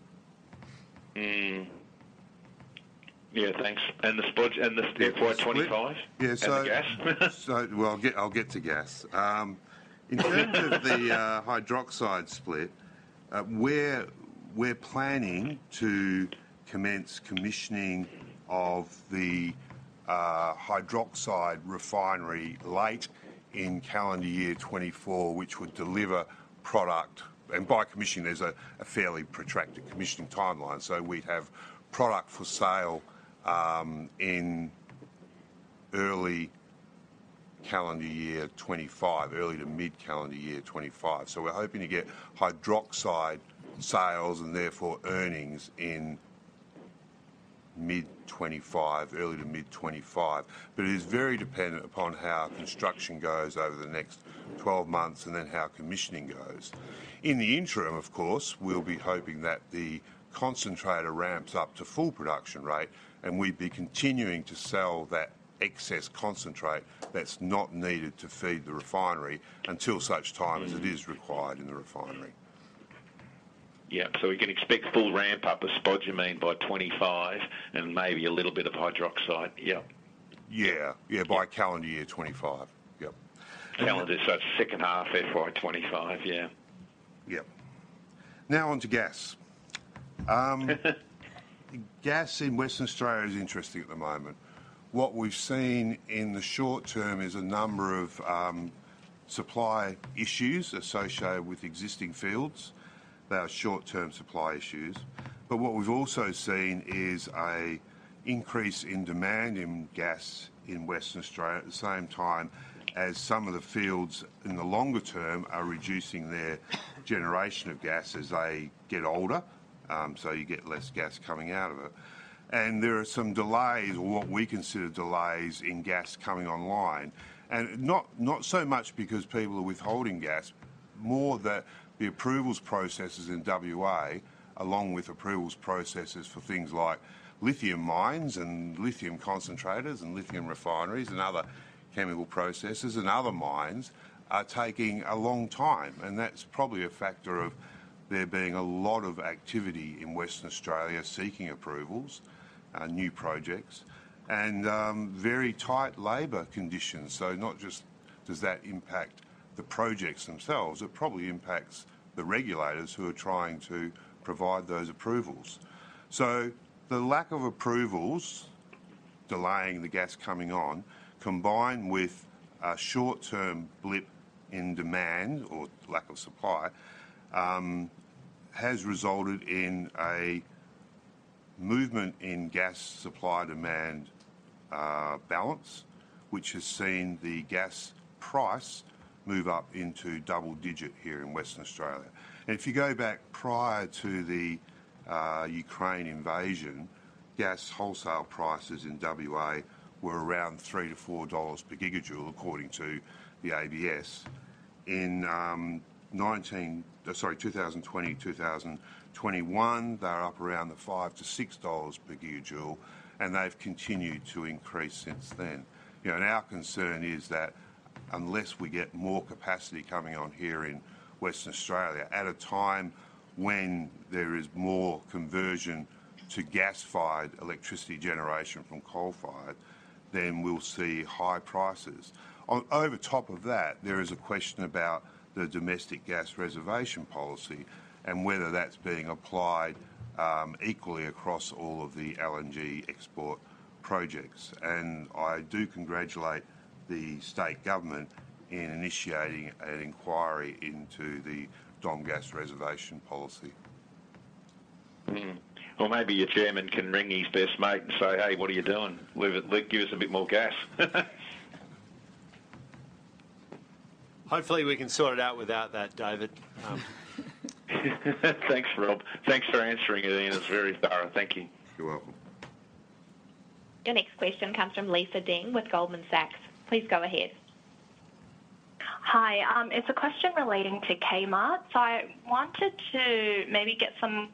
Mm. Yeah, thanks. And the spod, and the split by 25? Yeah, so- And the gas. So, well, I'll get to gas. In terms of the hydroxide split, we're planning to commence commissioning of the hydroxide refinery late in calendar year 2024, which would deliver product. And by commissioning, there's a fairly protracted commissioning timeline, so we'd have product for sale in early calendar year 2025, early to mid calendar year 2025. So we're hoping to get hydroxide sales and therefore earnings in mid-2025, early to mid-2025. But it is very dependent upon how construction goes over the next 12 months and then how commissioning goes. In the interim, of course, we'll be hoping that the concentrator ramps up to full production rate, and we'd be continuing to sell that excess concentrate that's not needed to feed the refinery until such time- Mm as it is required in the refinery. Yeah. So we can expect full ramp-up of spodumene by 2025 and maybe a little bit of hydroxide? Yeah. Yeah. Yeah, by calendar year 2025. Yep. Calendar, so it's H2 FY 2025, yeah. Yep. Now on to gas. Gas in Western Australia is interesting at the moment. What we've seen in the short term is a number of supply issues associated with existing fields. They are short-term supply issues. But what we've also seen is a increase in demand in gas in Western Australia, at the same time as some of the fields in the longer term are reducing their generation of gas as they get older. So you get less gas coming out of it. And there are some delays, or what we consider delays, in gas coming online, and not so much because people are withholding gas. More that the approvals processes in WA, along with approvals processes for things like lithium mines and lithium concentrators and lithium refineries and other chemical processes and other mines, are taking a long time. And that's probably a factor of there being a lot of activity in Western Australia seeking approvals, new projects, and very tight labor conditions. So not just does that impact the projects themselves, it probably impacts the regulators who are trying to provide those approvals. So the lack of approvals, delaying the gas coming on, combined with a short-term blip in demand or lack of supply, has resulted in a movement in gas supply-demand balance, which has seen the gas price move up into double digit here in Western Australia. And if you go back prior to the Ukraine invasion, gas wholesale prices in WA were around 3-4 dollars per gigajoule, according to the ABS. In 19... Sorry, 2020, 2021, they were up around 5-6 dollars per gigajoule, and they've continued to increase since then. You know, and our concern is that unless we get more capacity coming on here in Western Australia, at a time when there is more conversion to gas-fired electricity generation from coal-fired, then we'll see high prices. On, over top of that, there is a question about the domestic gas reservation policy and whether that's being applied equally across all of the LNG export projects. And I do congratulate the state government in initiating an inquiry into the domestic gas reservation policy. Mm. Well, maybe your chairman can ring his best mate and say, "Hey, what are you doing? Leave it, give us a bit more gas. Hopefully we can sort it out without that, David. Thanks, Rob. Thanks for answering it, Ian. It's very thorough. Thank you. You're welcome. Your next question comes from Lisa Deng with Goldman Sachs. Please go ahead. Hi, it's a question relating to Kmart. So I wanted to maybe get some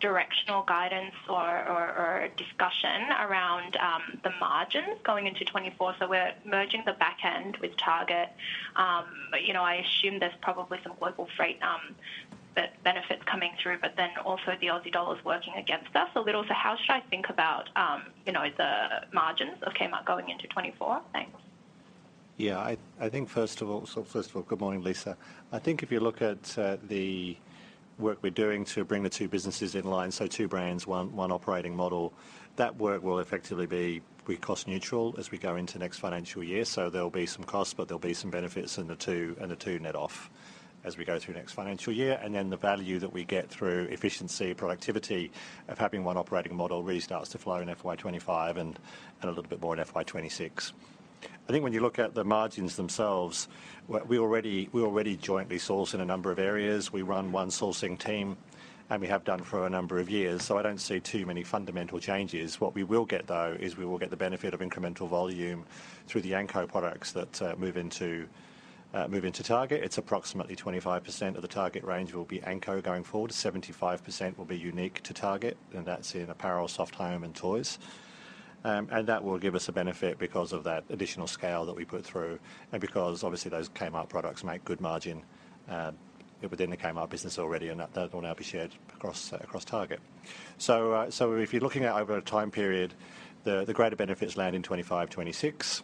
directional guidance or discussion around the margins going into 2024. So we're merging the back end with Target. But, you know, I assume there's probably some global freight that benefits coming through, but then also the Aussie dollar is working against us a little. So how should I think about, you know, the margins of Kmart going into 2024? Thanks. So first of all, good morning, Lisa. I think if you look at the work we're doing to bring the two businesses in line, so two brands, one operating model, that work will effectively be cost neutral as we go into next financial year. So there'll be some costs, but there'll be some benefits, and the two net off as we go through next financial year. And then the value that we get through efficiency, productivity of having one operating model really starts to flow in FY 2025 and a little bit more in FY 2026. I think when you look at the margins themselves, we already jointly source in a number of areas. We run one sourcing team, and we have done for a number of years, so I don't see too many fundamental changes. What we will get, though, is we will get the benefit of incremental volume through the Anko products that move into Target. It's approximately 25% of the Target range will be Anko going forward. 75% will be unique to Target, and that's in apparel, soft home, and toys. And that will give us a benefit because of that additional scale that we put through, and because obviously those Kmart products make good margin within the Kmart business already, and that will now be shared across Target. So, if you're looking at over a time period, the greater benefits land in 2025, 2026.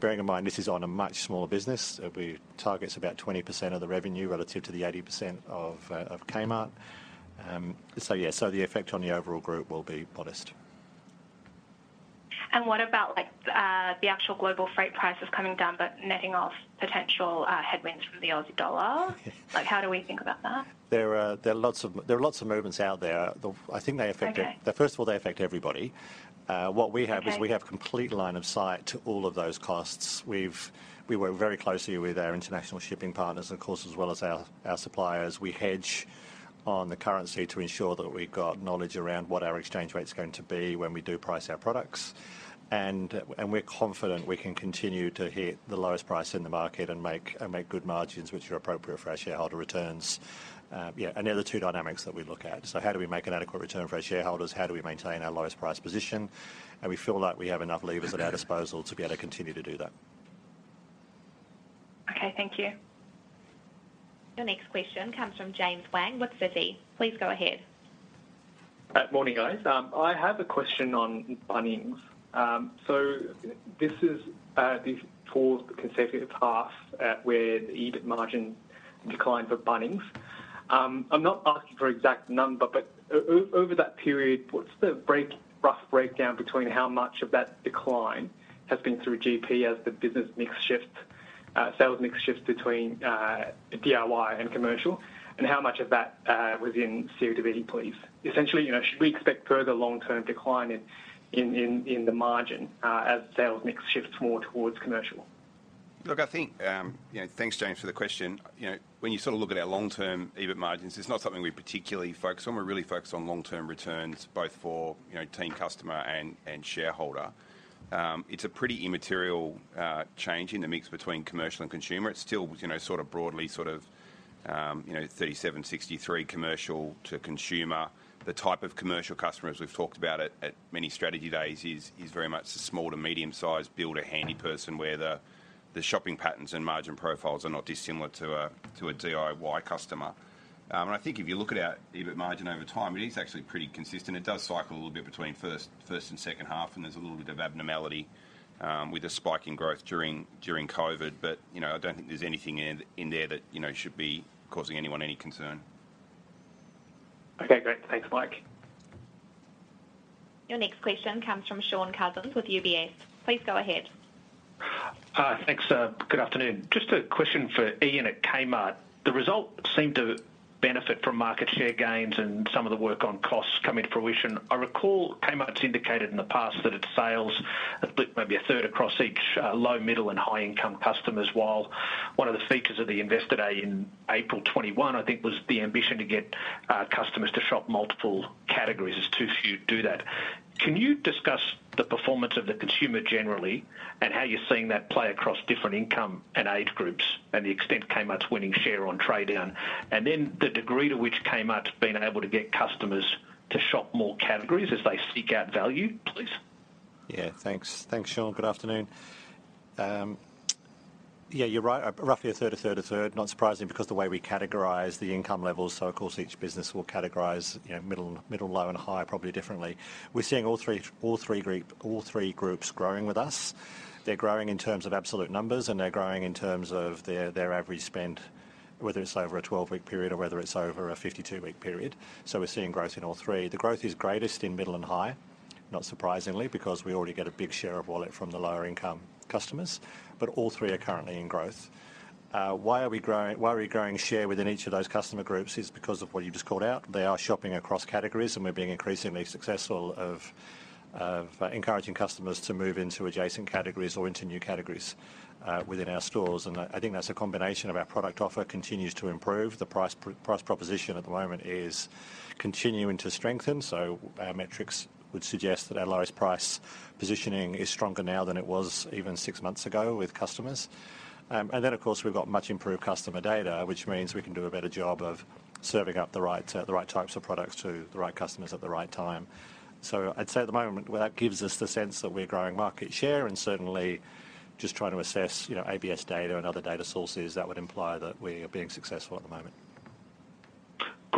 Bearing in mind, this is on a much smaller business. We... Target's about 20% of the revenue relative to the 80% of Kmart. So yeah, so the effect on the overall group will be modest. What about, like, the actual global freight prices coming down, but netting off potential headwinds from the Aussie dollar? Yes. Like, how do we think about that? There are lots of movements out there. The- Okay. I think they affect it. First of all, they affect everybody. What we have is- Okay... we have complete line of sight to all of those costs. We work very closely with our international shipping partners, of course, as well as our suppliers. We hedge on the currency to ensure that we've got knowledge around what our exchange rate is going to be when we do price our products. And we're confident we can continue to hit the lowest price in the market and make good margins, which are appropriate for our shareholder returns. Yeah, and they're the two dynamics that we look at. So how do we make an adequate return for our shareholders? How do we maintain our lowest price position? And we feel like we have enough levers at our disposal to be able to continue to do that. Okay, thank you. Your next question comes from James Wang with Citi. Please go ahead. Morning, guys. I have a question on Bunnings. So this is the post-conservative path where the EBIT margin declined for Bunnings. I'm not asking for exact number, but over that period, what's the rough breakdown between how much of that decline has been through GP as the business mix shifts, sales mix shifts between DIY and commercial, and how much of that was in SG&A, please? Essentially, you know, should we expect further long-term decline in the margin as sales mix shifts more towards commercial? Look, I think, you know, thanks, James, for the question. You know, when you sort of look at our long-term EBIT margins, it's not something we particularly focus on. We're really focused on long-term returns, both for, you know, team, customer, and shareholder. It's a pretty immaterial change in the mix between commercial and consumer. It's still, you know, sort of broadly, sort of, you know, 37-63 commercial to consumer. The type of commercial customers we've talked about at many strategy days is very much the small to medium-sized builder, handy person, where the shopping patterns and margin profiles are not dissimilar to a DIY customer. And I think if you look at our EBIT margin over time, it is actually pretty consistent. It does cycle a little bit between first and H2, and there's a little bit of abnormality with the spike in growth during COVID. But, you know, I don't think there's anything in there that, you know, should be causing anyone any concern. Okay, great. Thanks, Mike. Your next question comes from Shaun Cousins with UBS. Please go ahead. Thanks, good afternoon. Just a question for Ian at Kmart. The result seemed to benefit from market share gains and some of the work on costs coming to fruition. I recall Kmart's indicated in the past that its sales are split maybe a third across each, low, middle, and high-income customers, while one of the features of the Investor Day in April 2021, I think, was the ambition to get, customers to shop multiple categories, as too few do that. Can you discuss the performance of the consumer generally, and how you're seeing that play across different income and age groups, and the extent Kmart's winning share on trade down? And then the degree to which Kmart's been able to get customers to shop more categories as they seek out value, please. Yeah, thanks. Thanks, Shaun. Good afternoon. Yeah, you're right. Roughly a third, a third, a third. Not surprising, because the way we categorize the income levels, so of course, each business will categorize, you know, middle, low, and high, probably differently. We're seeing all three groups growing with us. They're growing in terms of absolute numbers, and they're growing in terms of their average spend, whether it's over a 12-week period or whether it's over a 52-week period. So we're seeing growth in all three. The growth is greatest in middle and high, not surprisingly, because we already get a big share of wallet from the lower-income customers, but all three are currently in growth. Why are we growing share within each of those customer groups? It's because of what you just called out. They are shopping across categories, and we're being increasingly successful encouraging customers to move into adjacent categories or into new categories within our stores. I think that's a combination of our product offer continues to improve. The price proposition at the moment is continuing to strengthen. So our metrics would suggest that our lowest price positioning is stronger now than it was even six months ago with customers. And then, of course, we've got much improved customer data, which means we can do a better job of serving up the right types of products to the right customers at the right time. I'd say at the moment, well, that gives us the sense that we're growing market share, and certainly just trying to assess, you know, ABS data and other data sources that would imply that we are being successful at the moment.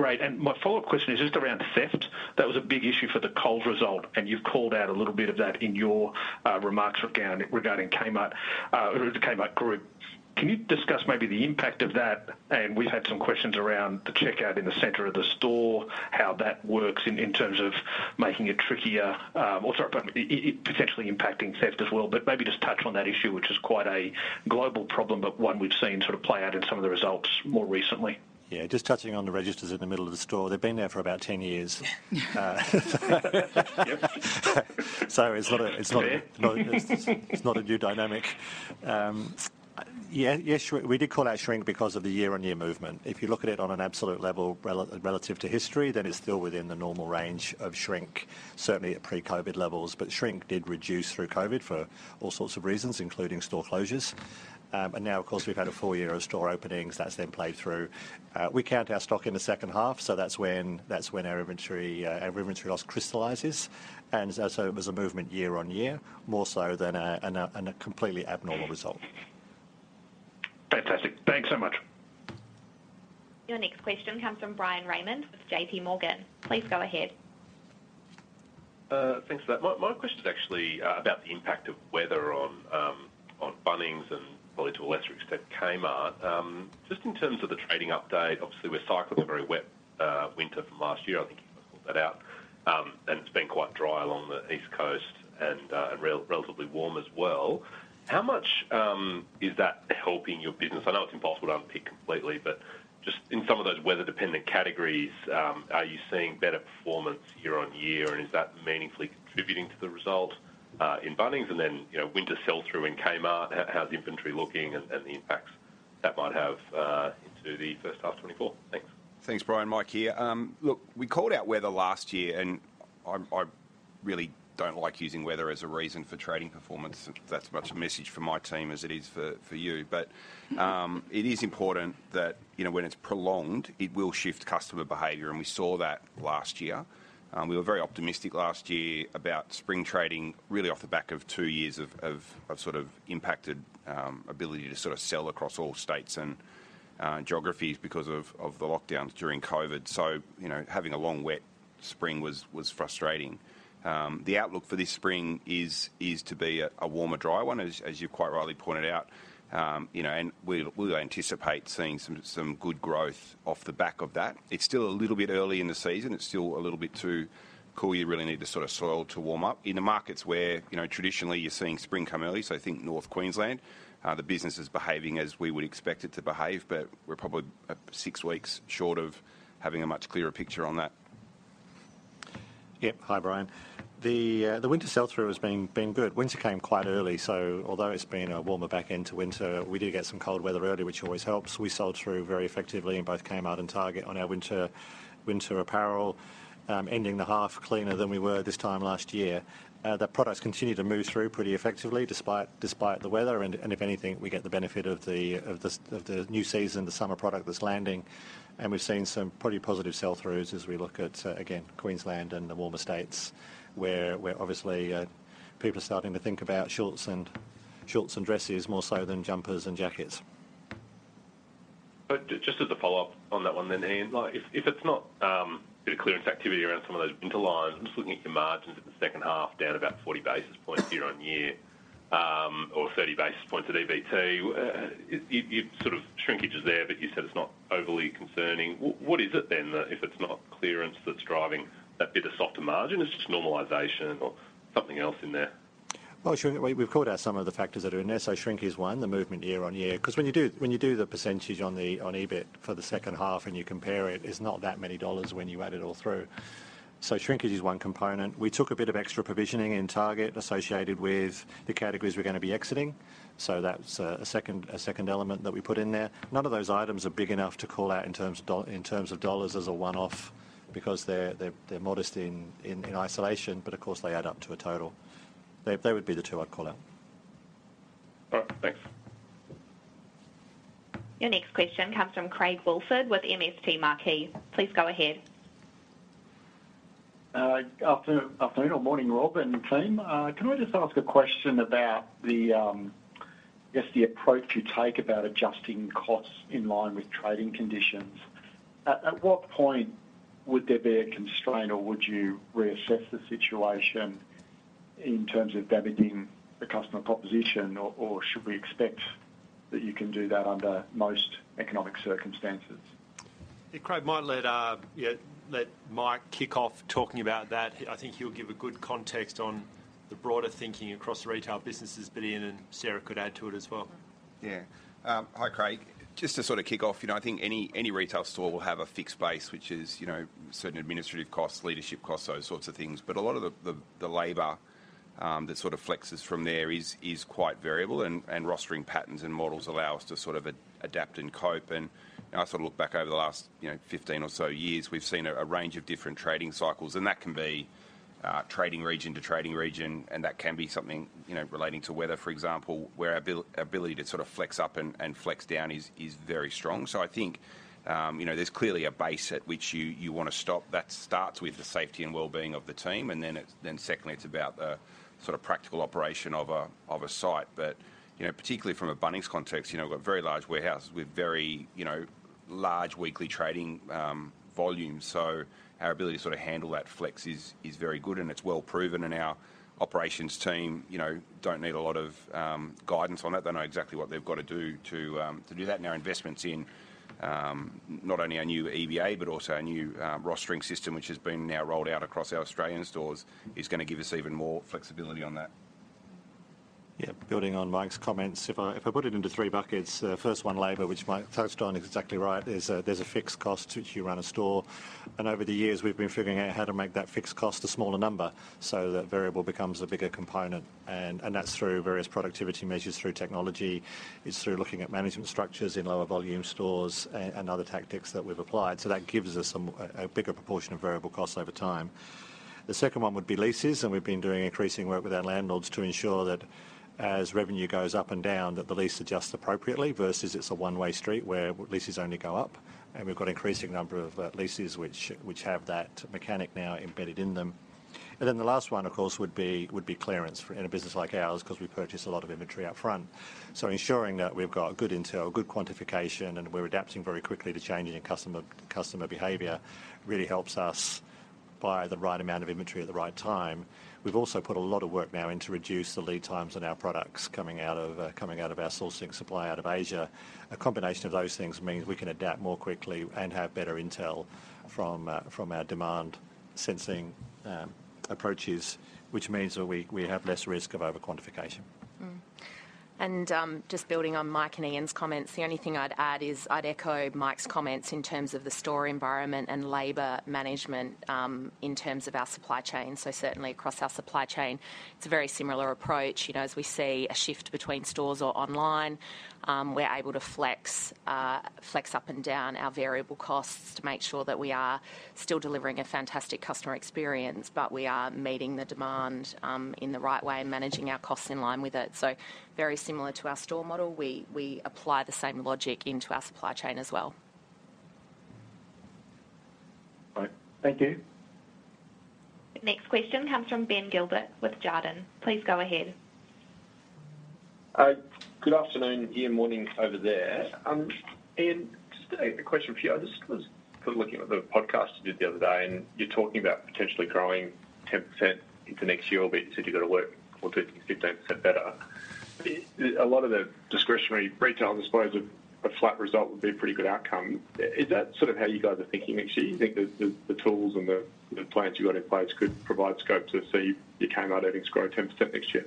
Great, and my follow-up question is just around theft. That was a big issue for the Coles result, and you've called out a little bit of that in your remarks regarding Kmart, the Kmart group. Can you discuss maybe the impact of that? And we've had some questions around the checkout in the center of the store, how that works in terms of making it trickier, or sorry, but it potentially impacting theft as well. But maybe just touch on that issue, which is quite a global problem, but one we've seen sort of play out in some of the results more recently. Yeah, just touching on the registers in the middle of the store. They've been there for about 10 years. Yep. So it's not. Fair. It's not a new dynamic. Yeah, yes, we, we did call out shrink because of the year-on-year movement. If you look at it on an absolute level, relative to history, then it's still within the normal range of shrink, certainly at pre-COVID levels. But shrink did reduce through COVID for all sorts of reasons, including store closures. And now, of course, we've had a full year of store openings. That's then played through. We count our stock in the H2, so that's when, that's when our inventory, our inventory loss crystallizes. And so it was a movement year on year, more so than a completely abnormal result. Fantastic. Thanks so much. Your next question comes from Bryan Raymond with JPMorgan. Please go ahead. Thanks for that. My question is actually about the impact of weather on Bunnings and probably to a lesser extent, Kmart. Just in terms of the trading update, obviously, we're cycling a very wet winter from last year. I think you pointed that out, and it's been quite dry along the East Coast and relatively warm as well. How much is that helping your business? I know it's impossible to unpick completely, but just in some of those weather-dependent categories, are you seeing better performance year on year, and is that meaningfully contributing to the result in Bunnings? And then, you know, winter sell-through in Kmart, how's the inventory looking and the impacts that might have into the H1 2024? Thanks. Thanks, Brian. Mike here. Look, we called out weather last year, and I really don't like using weather as a reason for trading performance. That's as much a message for my team as it is for you. But it is important that you know, when it's prolonged, it will shift customer behavior, and we saw that last year. We were very optimistic last year about spring trading, really off the back of two years of sort of impacted ability to sort of sell across all states and geographies because of the lockdowns during COVID. So you know, having a long, wet spring was frustrating. The outlook for this spring is to be a warmer, dry one, as you've quite rightly pointed out. You know, and we'll, we'll anticipate seeing some, some good growth off the back of that. It's still a little bit early in the season. It's still a little bit too cool. You really need the sort of soil to warm up. In the markets where, you know, traditionally you're seeing spring come early, so I think North Queensland, the business is behaving as we would expect it to behave, but we're probably, six weeks short of having a much clearer picture on that. Yeah. Hi, Bryan. The winter sell-through has been good. Winter came quite early, so although it's been a warmer back end to winter, we did get some cold weather early, which always helps. We sold through very effectively in both Kmart and Target on our winter apparel, ending the half cleaner than we were this time last year. The products continue to move through pretty effectively, despite the weather, and if anything, we get the benefit of the new season, the summer product that's landing. And we've seen some pretty positive sell-throughs as we look at again, Queensland and the warmer states, where obviously people are starting to think about shorts and dresses more so than jumpers and jackets. But just as a follow-up on that one then, Ian, like, if it's not the clearance activity around some of those winter lines, I'm just looking at your margins at the H2, down about 40 basis points year-on-year, or 30 basis points at EBT. You, you've sort of, shrinkage is there, but you said it's not overly concerning. What is it then, if it's not clearance that's driving that bit of softer margin? It's just normalization or something else in there? Well, sure. We, we've called out some of the factors that are in there, so shrink is one, the movement year-on-year. Because when you do, when you do the percentage on the, on EBIT for the H2, and you compare it, it's not that many dollars when you add it all through. So shrinkage is one component. We took a bit of extra provisioning in Target associated with the categories we're gonna be exiting, so that's a, a second, a second element that we put in there. None of those items are big enough to call out in terms of doll- in terms of dollars as a one-off because they're modest in isolation, but of course, they add up to a total. They, they would be the two I'd call out. All right, thanks. Your next question comes from Craig Woolford with MST Marquee. Please go ahead. Afternoon, afternoon or morning, Rob and the team. Can I just ask a question about the, I guess, the approach you take about adjusting costs in line with trading conditions? At what point would there be a constraint, or would you reassess the situation in terms of damaging the customer proposition, or should we expect that you can do that under most economic circumstances? Hey, Craig, might let, yeah, let Mike kick off talking about that. I think he'll give a good context on the broader thinking across the retail businesses, but Ian and Sarah could add to it as well. Yeah. Hi, Craig. Just to sort of kick off, you know, I think any retail store will have a fixed base, which is, you know, certain administrative costs, leadership costs, those sorts of things. But a lot of the labor that sort of flexes from there is quite variable, and rostering patterns and models allow us to sort of adapt and cope. And I sort of look back over the last, you know, 15 or so years, we've seen a range of different trading cycles, and that can be trading region to trading region, and that can be something, you know, relating to weather, for example, where our ability to sort of flex up and flex down is very strong. So I think, you know, there's clearly a base at which you wanna stop. That starts with the safety and well-being of the team, and then it's, then secondly, it's about the sort of practical operation of a site. But, you know, particularly from a Bunnings context, you know, we've got very large warehouses with very, you know, large weekly trading volumes, so our ability to sort of handle that flex is very good, and it's well proven, and our operations team, you know, don't need a lot of guidance on it. They know exactly what they've got to do to do that. And our investments in not only our new EBA but also our new rostering system, which has been now rolled out across our Australian stores, is gonna give us even more flexibility on that. Yeah, building on Mike's comments, if I put it into three buckets, first one, labor, which Mike touched on, is exactly right. There's a fixed cost to which you run a store, and over the years, we've been figuring out how to make that fixed cost a smaller number so that variable becomes a bigger component. And that's through various productivity measures, through technology. It's through looking at management structures in lower volume stores and other tactics that we've applied. So that gives us some bigger proportion of variable costs over time. The second one would be leases, and we've been doing increasing work with our landlords to ensure that as revenue goes up and down, that the lease adjusts appropriately versus it's a one-way street, where leases only go up. We've got an increasing number of leases which have that mechanic now embedded in them. Then the last one, of course, would be clearance for, in a business like ours because we purchase a lot of inventory up front. So ensuring that we've got good intel, good quantification, and we're adapting very quickly to changing in customer behavior, really helps us buy the right amount of inventory at the right time. We've also put a lot of work now in to reduce the lead times on our products coming out of our sourcing supply out of Asia. A combination of those things means we can adapt more quickly and have better intel from our demand sensing approaches, which means that we have less risk of over-quantification. And, just building on Mike and Ian's comments, the only thing I'd add is I'd echo Mike's comments in terms of the store environment and labor management, in terms of our supply chain. So certainly across our supply chain, it's a very similar approach. You know, as we see a shift between stores or online, we're able to flex, flex up and down our variable costs to make sure that we are still delivering a fantastic customer experience, but we are meeting the demand, in the right way and managing our costs in line with it. So very similar to our store model, we, we apply the same logic into our supply chain as well. All right. Thank you. Next question comes from Ben Gilbert with Jarden. Please go ahead. Good afternoon, Ian. Morning over there. Ian, just a question for you. I just was kind of looking at the podcast you did the other day, and you're talking about potentially growing 10% into next year, but you said you've got to work on doing 15% better. Is a lot of the discretionary retail I suppose, a flat result would be a pretty good outcome. Is that sort of how you guys are thinking next year? You think the tools and the plans you've got in place could provide scope to see your Kmart earnings grow 10% next year?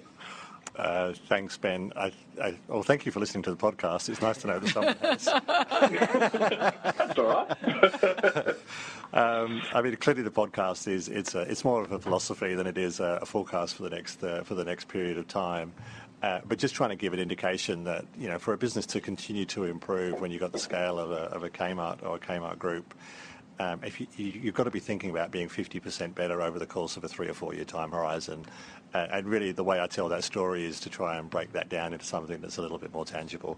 Thanks, Ben. Well, thank you for listening to the podcast. It's nice to know that someone has. That's all right. I mean, clearly, the podcast is, it's a, it's more of a philosophy than it is a, a forecast for the next, for the next period of time. But just trying to give an indication that, you know, for a business to continue to improve when you've got the scale of a, of a Kmart or a Kmart Group, if you, you, you've got to be thinking about being 50% better over the course of a three or four-year time horizon. And really, the way I tell that story is to try and break that down into something that's a little bit more tangible.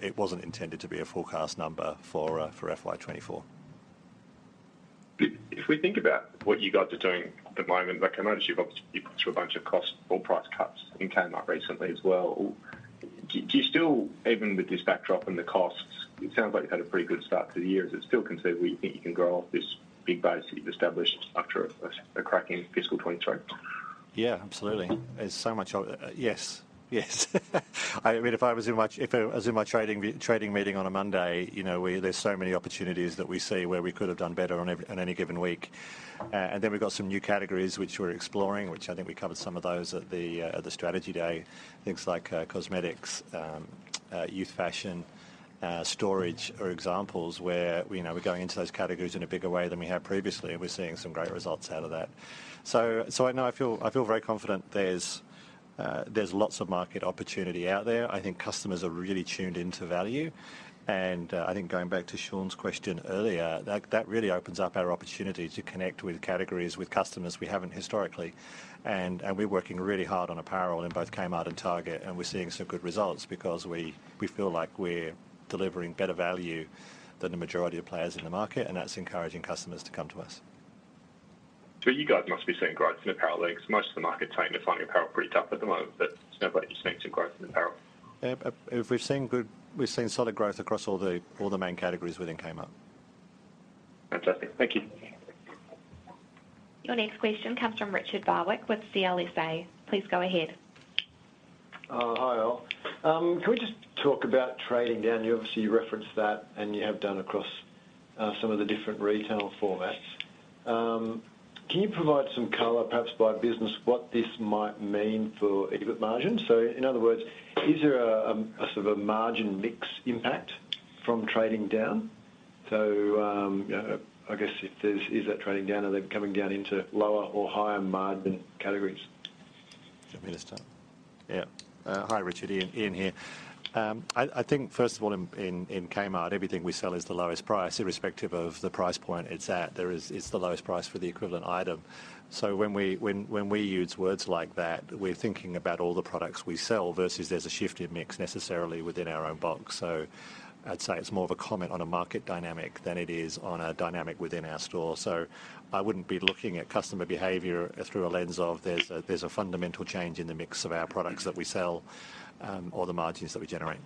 It wasn't intended to be a forecast number for, for FY 2024. If we think about what you guys are doing at the moment, like I noticed, you've obviously put through a bunch of cost or price cuts in Kmart recently as well. Do you still, even with this backdrop and the costs, it sounds like you've had a pretty good start to the year. Is it still conceivable you think you can grow off this big base that you've established after a cracking fiscal 2023? Yeah, absolutely. There's so much. Yes, yes. I mean, if I was in my trading meeting on a Monday, you know, there's so many opportunities that we see where we could have done better on any given week. And then we've got some new categories which we're exploring, which I think we covered some of those at the strategy day. Things like cosmetics, youth fashion, storage are examples where, you know, we're going into those categories in a bigger way than we have previously, and we're seeing some great results out of that. So I know I feel very confident there's lots of market opportunity out there. I think customers are really tuned into value, and I think going back to Sean's question earlier, that really opens up our opportunity to connect with categories, with customers we haven't historically. And we're working really hard on apparel in both Kmart and Target, and we're seeing some good results because we feel like we're delivering better value than the majority of players in the market, and that's encouraging customers to come to us.... So you guys must be seeing growth in apparel, because most of the market's saying they're finding apparel pretty tough at the moment, but nobody's seeing some growth in apparel. We've seen solid growth across all the, all the main categories within Kmart. Fantastic. Thank you. Your next question comes from Richard Barwick with CLSA. Please go ahead. Hi all. Can we just talk about trading down? You obviously referenced that, and you have done across some of the different retail formats. Can you provide some color, perhaps by business, what this might mean for EBIT margin? So in other words, is there a sort of a margin mix impact from trading down? So, I guess if there's, is that trading down, are they coming down into lower or higher margin categories? Do you want me to start? Yeah. Hi, Richard, Ian. Ian here. I think first of all, in Kmart, everything we sell is the lowest price, irrespective of the price point it's at. There is, it's the lowest price for the equivalent item. So when we use words like that, we're thinking about all the products we sell versus there's a shift in mix necessarily within our own box. So I'd say it's more of a comment on a market dynamic than it is on a dynamic within our store. So I wouldn't be looking at customer behavior through a lens of there's a fundamental change in the mix of our products that we sell, or the margins that we generate.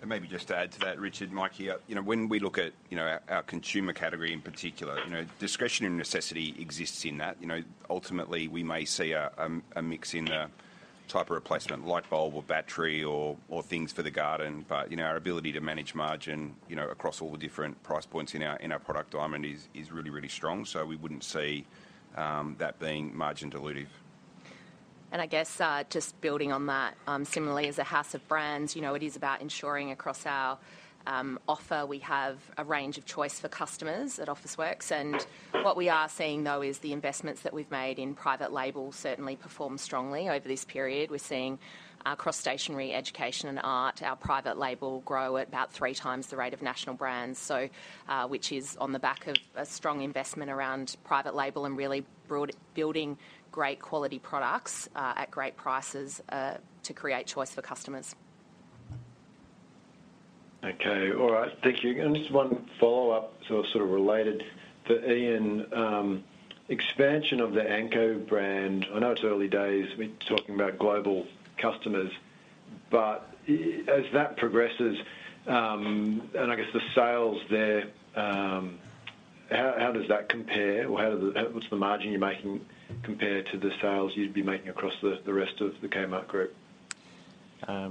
And maybe just to add to that, Richard, Mike here. You know, when we look at, you know, our, our consumer category in particular, you know, discretionary necessity exists in that. You know, ultimately, we may see a, a mix in the type of replacement, light bulb or battery or, or things for the garden. But, you know, our ability to manage margin, you know, across all the different price points in our, in our product diamond is, is really, really strong. So we wouldn't see, that being margin dilutive. And I guess, just building on that, similarly, as a house of brands, you know, it is about ensuring across our offer, we have a range of choice for customers at Officeworks. And what we are seeing, though, is the investments that we've made in private label certainly performed strongly over this period. We're seeing, across stationery, education, and art, our private label grow at about three times the rate of national brands. So, which is on the back of a strong investment around private label and really broad, building great quality products, at great prices, to create choice for customers. Okay. All right. Thank you. And just one follow-up, so sort of related to Ian. Expansion of the Anko brand, I know it's early days, we're talking about global customers, but as that progresses, and I guess the sales there, how does that compare? Or what's the margin you're making compared to the sales you'd be making across the rest of the Kmart Group? Yeah,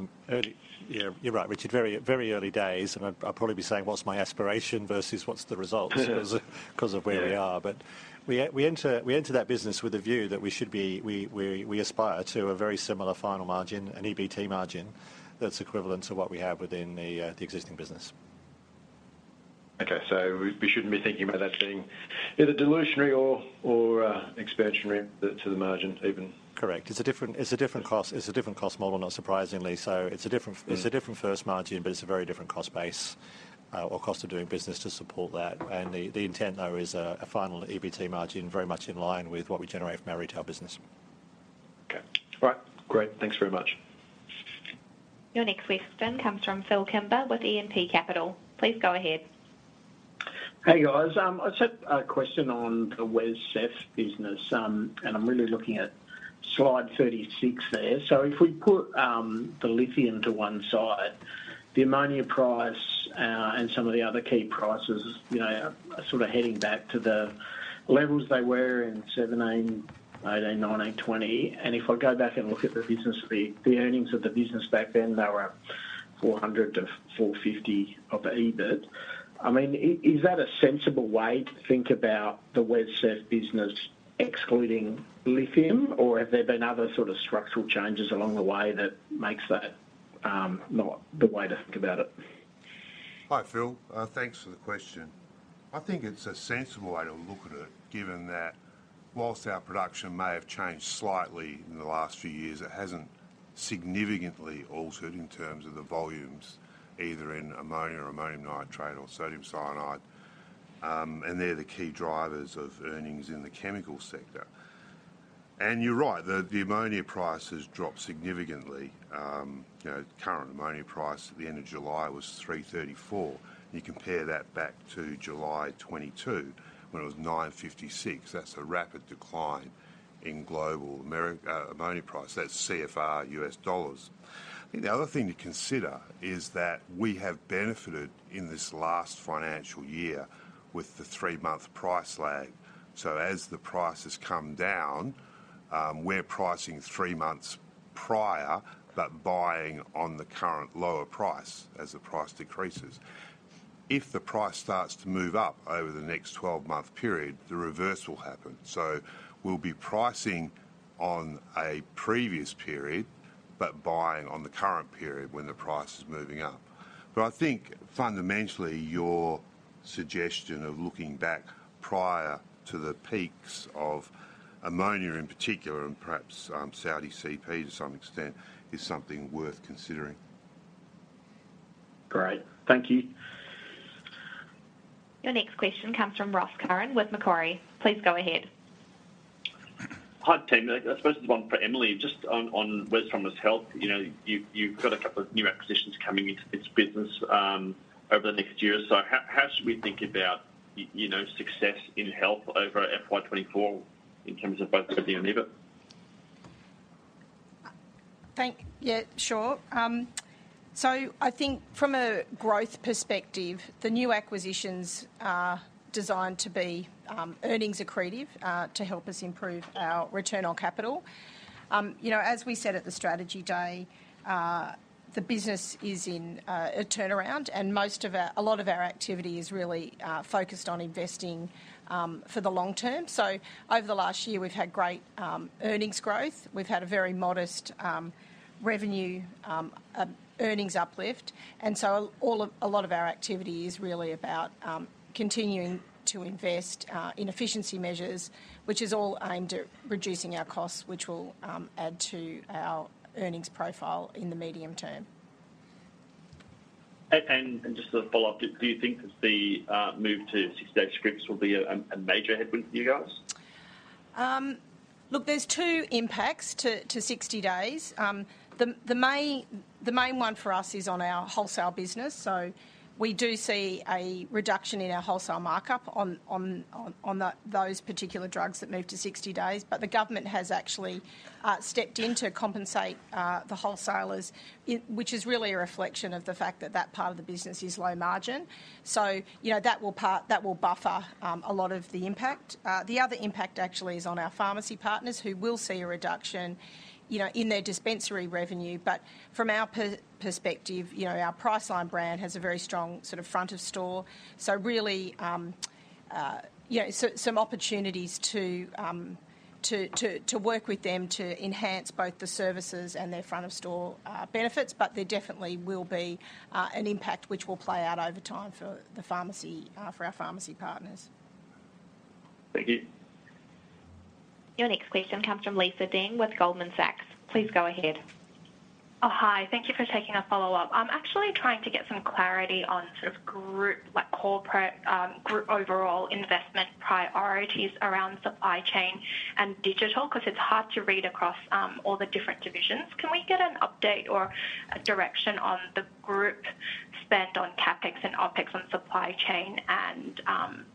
you're right, Richard, very, very early days, and I'll probably be saying what's my aspiration versus what's the results—because of where we are. But we enter that business with a view that we should be, we aspire to a very similar final margin, an EBT margin, that's equivalent to what we have within the existing business. Okay, so we, we shouldn't be thinking about that being either dilutionary or, or, expansionary to the margin even? Correct. It's a different, it's a different cost, it's a different cost model, not surprisingly. So it's a different, it's a different first margin, but it's a very different cost base, or cost of doing business to support that. And the, the intent, though, is a, a final EBT margin, very much in line with what we generate from our retail business. Okay. All right, great. Thanks very much. Your next question comes from Phil Kimber with E&P Capital. Please go ahead. Hey, guys. I just have a question on the WesCEF business, and I'm really looking at Slide 36 there. So if we put the lithium to one side, the ammonia price and some of the other key prices, you know, are sort of heading back to the levels they were in 2017, 2018, 2019, 2020. And if I go back and look at the business, the earnings of the business back then, they were at 400-450 of EBIT. I mean, is that a sensible way to think about the WesCEF business excluding lithium, or have there been other sort of structural changes along the way that makes that not the way to think about it? Hi, Phil. Thanks for the question. I think it's a sensible way to look at it, given that whilst our production may have changed slightly in the last few years, it hasn't significantly altered in terms of the volumes, either in ammonia or ammonium nitrate or sodium cyanide. And they're the key drivers of earnings in the chemical sector. And you're right, the ammonia price has dropped significantly. You know, current ammonia price at the end of July was $334. You compare that back to July 2022, when it was $956, that's a rapid decline in global ammonia price. That's CFR U.S. dollars. I think the other thing to consider is that we have benefited in this last financial year with the three-month price lag. So as the price has come down, we're pricing three months prior, but buying on the current lower price as the price decreases. If the price starts to move up over the next twelve-month period, the reverse will happen. So we'll be pricing on a previous period, but buying on the current period when the price is moving up. But I think fundamentally, your suggestion of looking back prior to the peaks of ammonia, in particular, and perhaps, Saudi CP to some extent, is something worth considering. Great. Thank you. Your next question comes from Ross Curran with Macquarie. Please go ahead. Hi, team. I suppose this is one for Emily. Just on, on Wesfarmers Health, you know, you've, you've got a couple of new acquisitions coming into this business, over the next year. So how, how should we think about, you know, success in health over FY 2024 in terms of both the and EBIT? Yeah, sure. So I think from a growth perspective, the new acquisitions are designed to be earnings accretive to help us improve our return on capital. You know, as we said at the strategy day, the business is in a turnaround, and most of our—a lot of our activity is really focused on investing for the long term. So over the last year, we've had great earnings growth. We've had a very modest revenue earnings uplift. And so all of, a lot of our activity is really about continuing to invest in efficiency measures, which is all aimed at reducing our costs, which will add to our earnings profile in the medium term. Just as a follow-up, do you think that the move to 60-day scripts will be a major headwind for you guys? Look, there's 2 impacts to 60 days. The main one for us is on our wholesale business. So we do see a reduction in our wholesale markup on those particular drugs that move to 60 days. But the government has actually stepped in to compensate the wholesalers, which is really a reflection of the fact that that part of the business is low margin. So, you know, that will buffer a lot of the impact. The other impact actually is on our pharmacy partners, who will see a reduction, you know, in their dispensary revenue. But from our perspective, you know, our Priceline brand has a very strong sort of front of store. So really, you know, some opportunities to work with them to enhance both the services and their front of store benefits. But there definitely will be an impact which will play out over time for the pharmacy for our pharmacy partners. Thank you. Your next question comes from Lisa Deng with Goldman Sachs. Please go ahead. Oh, hi. Thank you for taking a follow-up. I'm actually trying to get some clarity on sort of group, like corporate, group overall investment priorities around supply chain and digital, because it's hard to read across, all the different divisions. Can we get an update or a direction on the group spend on CapEx and OpEx on supply chain and,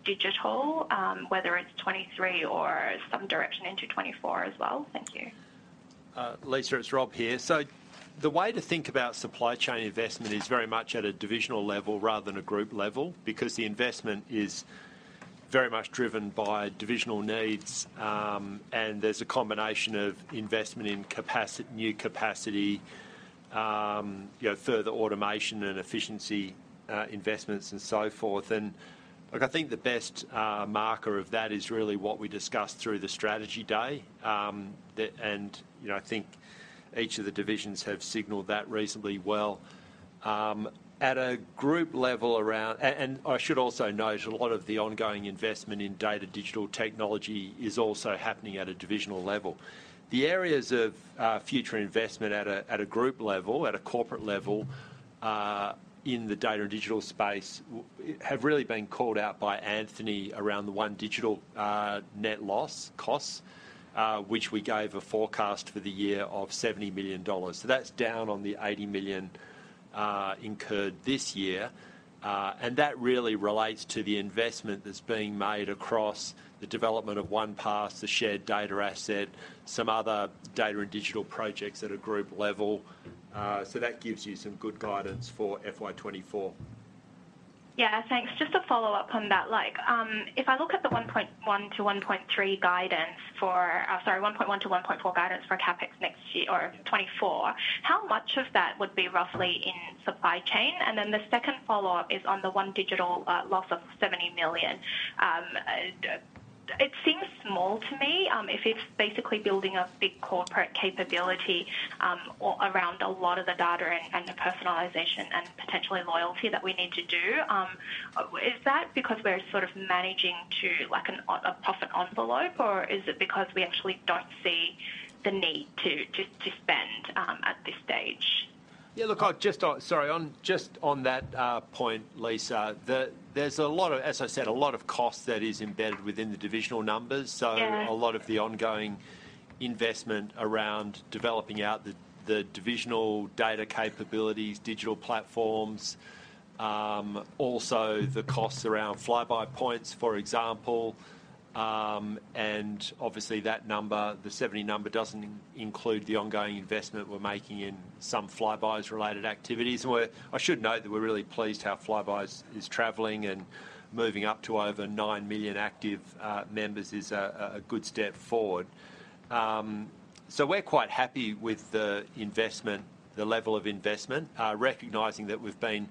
digital, whether it's 2023 or some direction into 2024 as well? Thank you. Lisa, it's Rob here. So the way to think about supply chain investment is very much at a divisional level rather than a group level, because the investment is very much driven by divisional needs, and there's a combination of investment in new capacity, you know, further automation and efficiency, investments and so forth. And look, I think the best marker of that is really what we discussed through the strategy day. You know, I think each of the divisions have signaled that reasonably well. At a group level around... And I should also note, a lot of the ongoing investment in data digital technology is also happening at a divisional level. The areas of future investment at a group level, at a corporate level, in the data and digital space, have really been called out by Anthony around OneDigital, net loss costs, which we gave a forecast for the year of 70 million dollars. So that's down on the 80 million incurred this year. And that really relates to the investment that's being made across the development of OnePass, the shared data asset, some other data and digital projects at a group level. So that gives you some good guidance for FY 2024. Yeah, thanks. Just to follow up on that, like, if I look at the 1.1-1.3 guidance for, sorry, 1.1-1.4 guidance for CapEx next year, or 2024, how much of that would be roughly in supply chain? And then the second follow-up is on the OneDigital loss of 70 million. It seems small to me, if it's basically building a big corporate capability, or around a lot of the data and, and the personalization and potentially loyalty that we need to do. Is that because we're sort of managing to like an, a profit envelope, or is it because we actually don't see the need to, to, to spend, at this stage? Yeah, look, I'll just, Sorry, on just on that point, Lisa, there's a lot of, as I said, a lot of costs that is embedded within the divisional numbers. Yeah. So a lot of the ongoing investment around developing out the divisional data capabilities, digital platforms, also the costs around Flybuys points, for example. And obviously that number, the 70 number, doesn't include the ongoing investment we're making in some Flybuys related activities. Well, I should note that we're really pleased how Flybuys is traveling, and moving up to over 9 million active members is a good step forward. So we're quite happy with the investment, the level of investment, recognizing that we've been,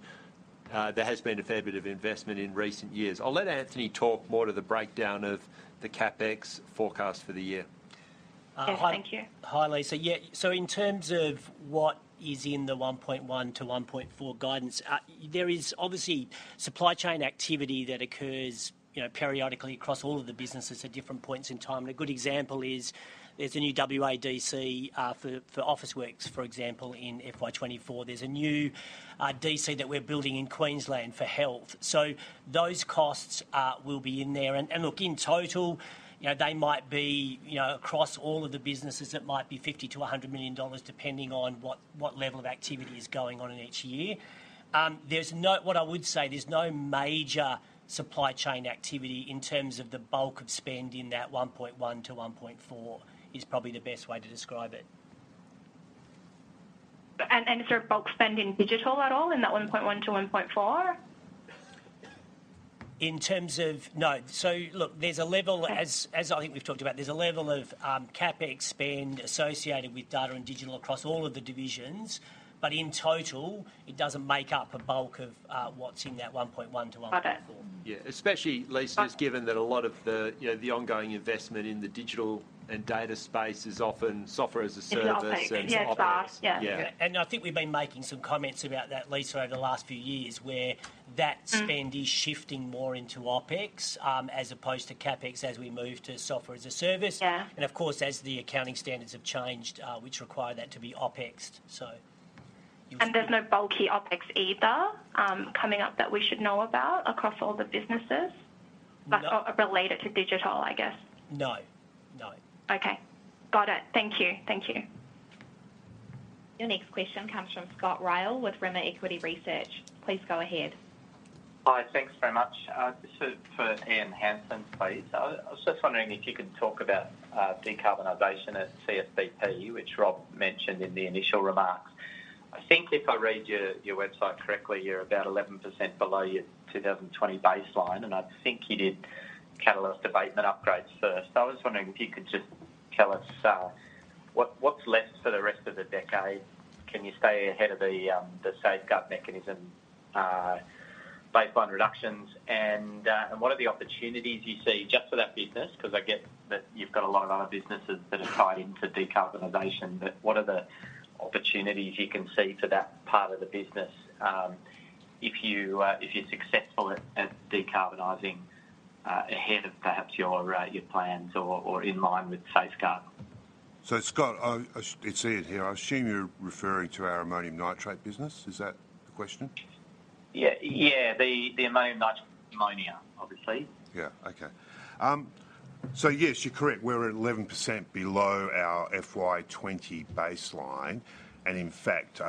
there has been a fair bit of investment in recent years. I'll let Anthony talk more to the breakdown of the CapEx forecast for the year.... Yeah, hi, hi, Lisa. Yeah, so in terms of what is in the 1.1-1.4 guidance, there is obviously supply chain activity that occurs, you know, periodically across all of the businesses at different points in time. And a good example is there's a new WADC for Officeworks, for example, in FY 2024. There's a new DC that we're building in Queensland for health. So those costs will be in there. And look, in total, you know, they might be, you know, across all of the businesses, it might be 50-100 million dollars, depending on what level of activity is going on in each year. What I would say, there's no major supply chain activity in terms of the bulk of spend in that 1.1-1.4, is probably the best way to describe it. And is there a bulk spend in digital at all, in that 1.1-1.4? In terms of... No. So look, there's a level, as I think we've talked about, there's a level of CapEx spend associated with data and digital across all of the divisions, but in total, it doesn't make up a bulk of what's in that 1.1-1.4. Okay. Yeah. Especially, Lisa, it's given that a lot of the, you know, the ongoing investment in the digital and data space is often software as a service- In the OPEX. Yeah, sure. Yeah. I think we've been making some comments about that, Lisa, over the last few years, where that- Mm-hmm... spend is shifting more into OPEX, as opposed to CapEx, as we move to software as a service. Yeah. Of course, as the accounting standards have changed, which require that to be OPEXed, so. There's no bulky OPEX either, coming up that we should know about across all the businesses? No. Related to digital, I guess. No. No. Okay. Got it. Thank you. Thank you. Your next question comes from Scott Ryall with Rimor Equity Research. Please go ahead. Hi, thanks very much. This is for Ian Hansen, please. I was just wondering if you could talk about decarbonization at CSBP, which Rob mentioned in the initial remarks. I think if I read your website correctly, you're about 11% below your 2020 baseline, and I think you did catalyst abatement upgrades first. I was wondering if you could just tell us what, what's left for the rest of the decade? Can you stay ahead of the safeguard mechanism baseline reductions? And what are the opportunities you see just for that business? Because I get that you've got a lot of other businesses that are tied into decarbonization, but what are the opportunities you can see to that part of the business, if you're successful at decarbonizing ahead of perhaps your plans or in line with safeguard? So, Scott, it's Ian here. I assume you're referring to our ammonium nitrate business. Is that the question? Yeah. Yeah, the ammonium nitrate ammonia, obviously. Yeah. Okay. So yes, you're correct. We're at 11% below our FY 2020 baseline, and in fact,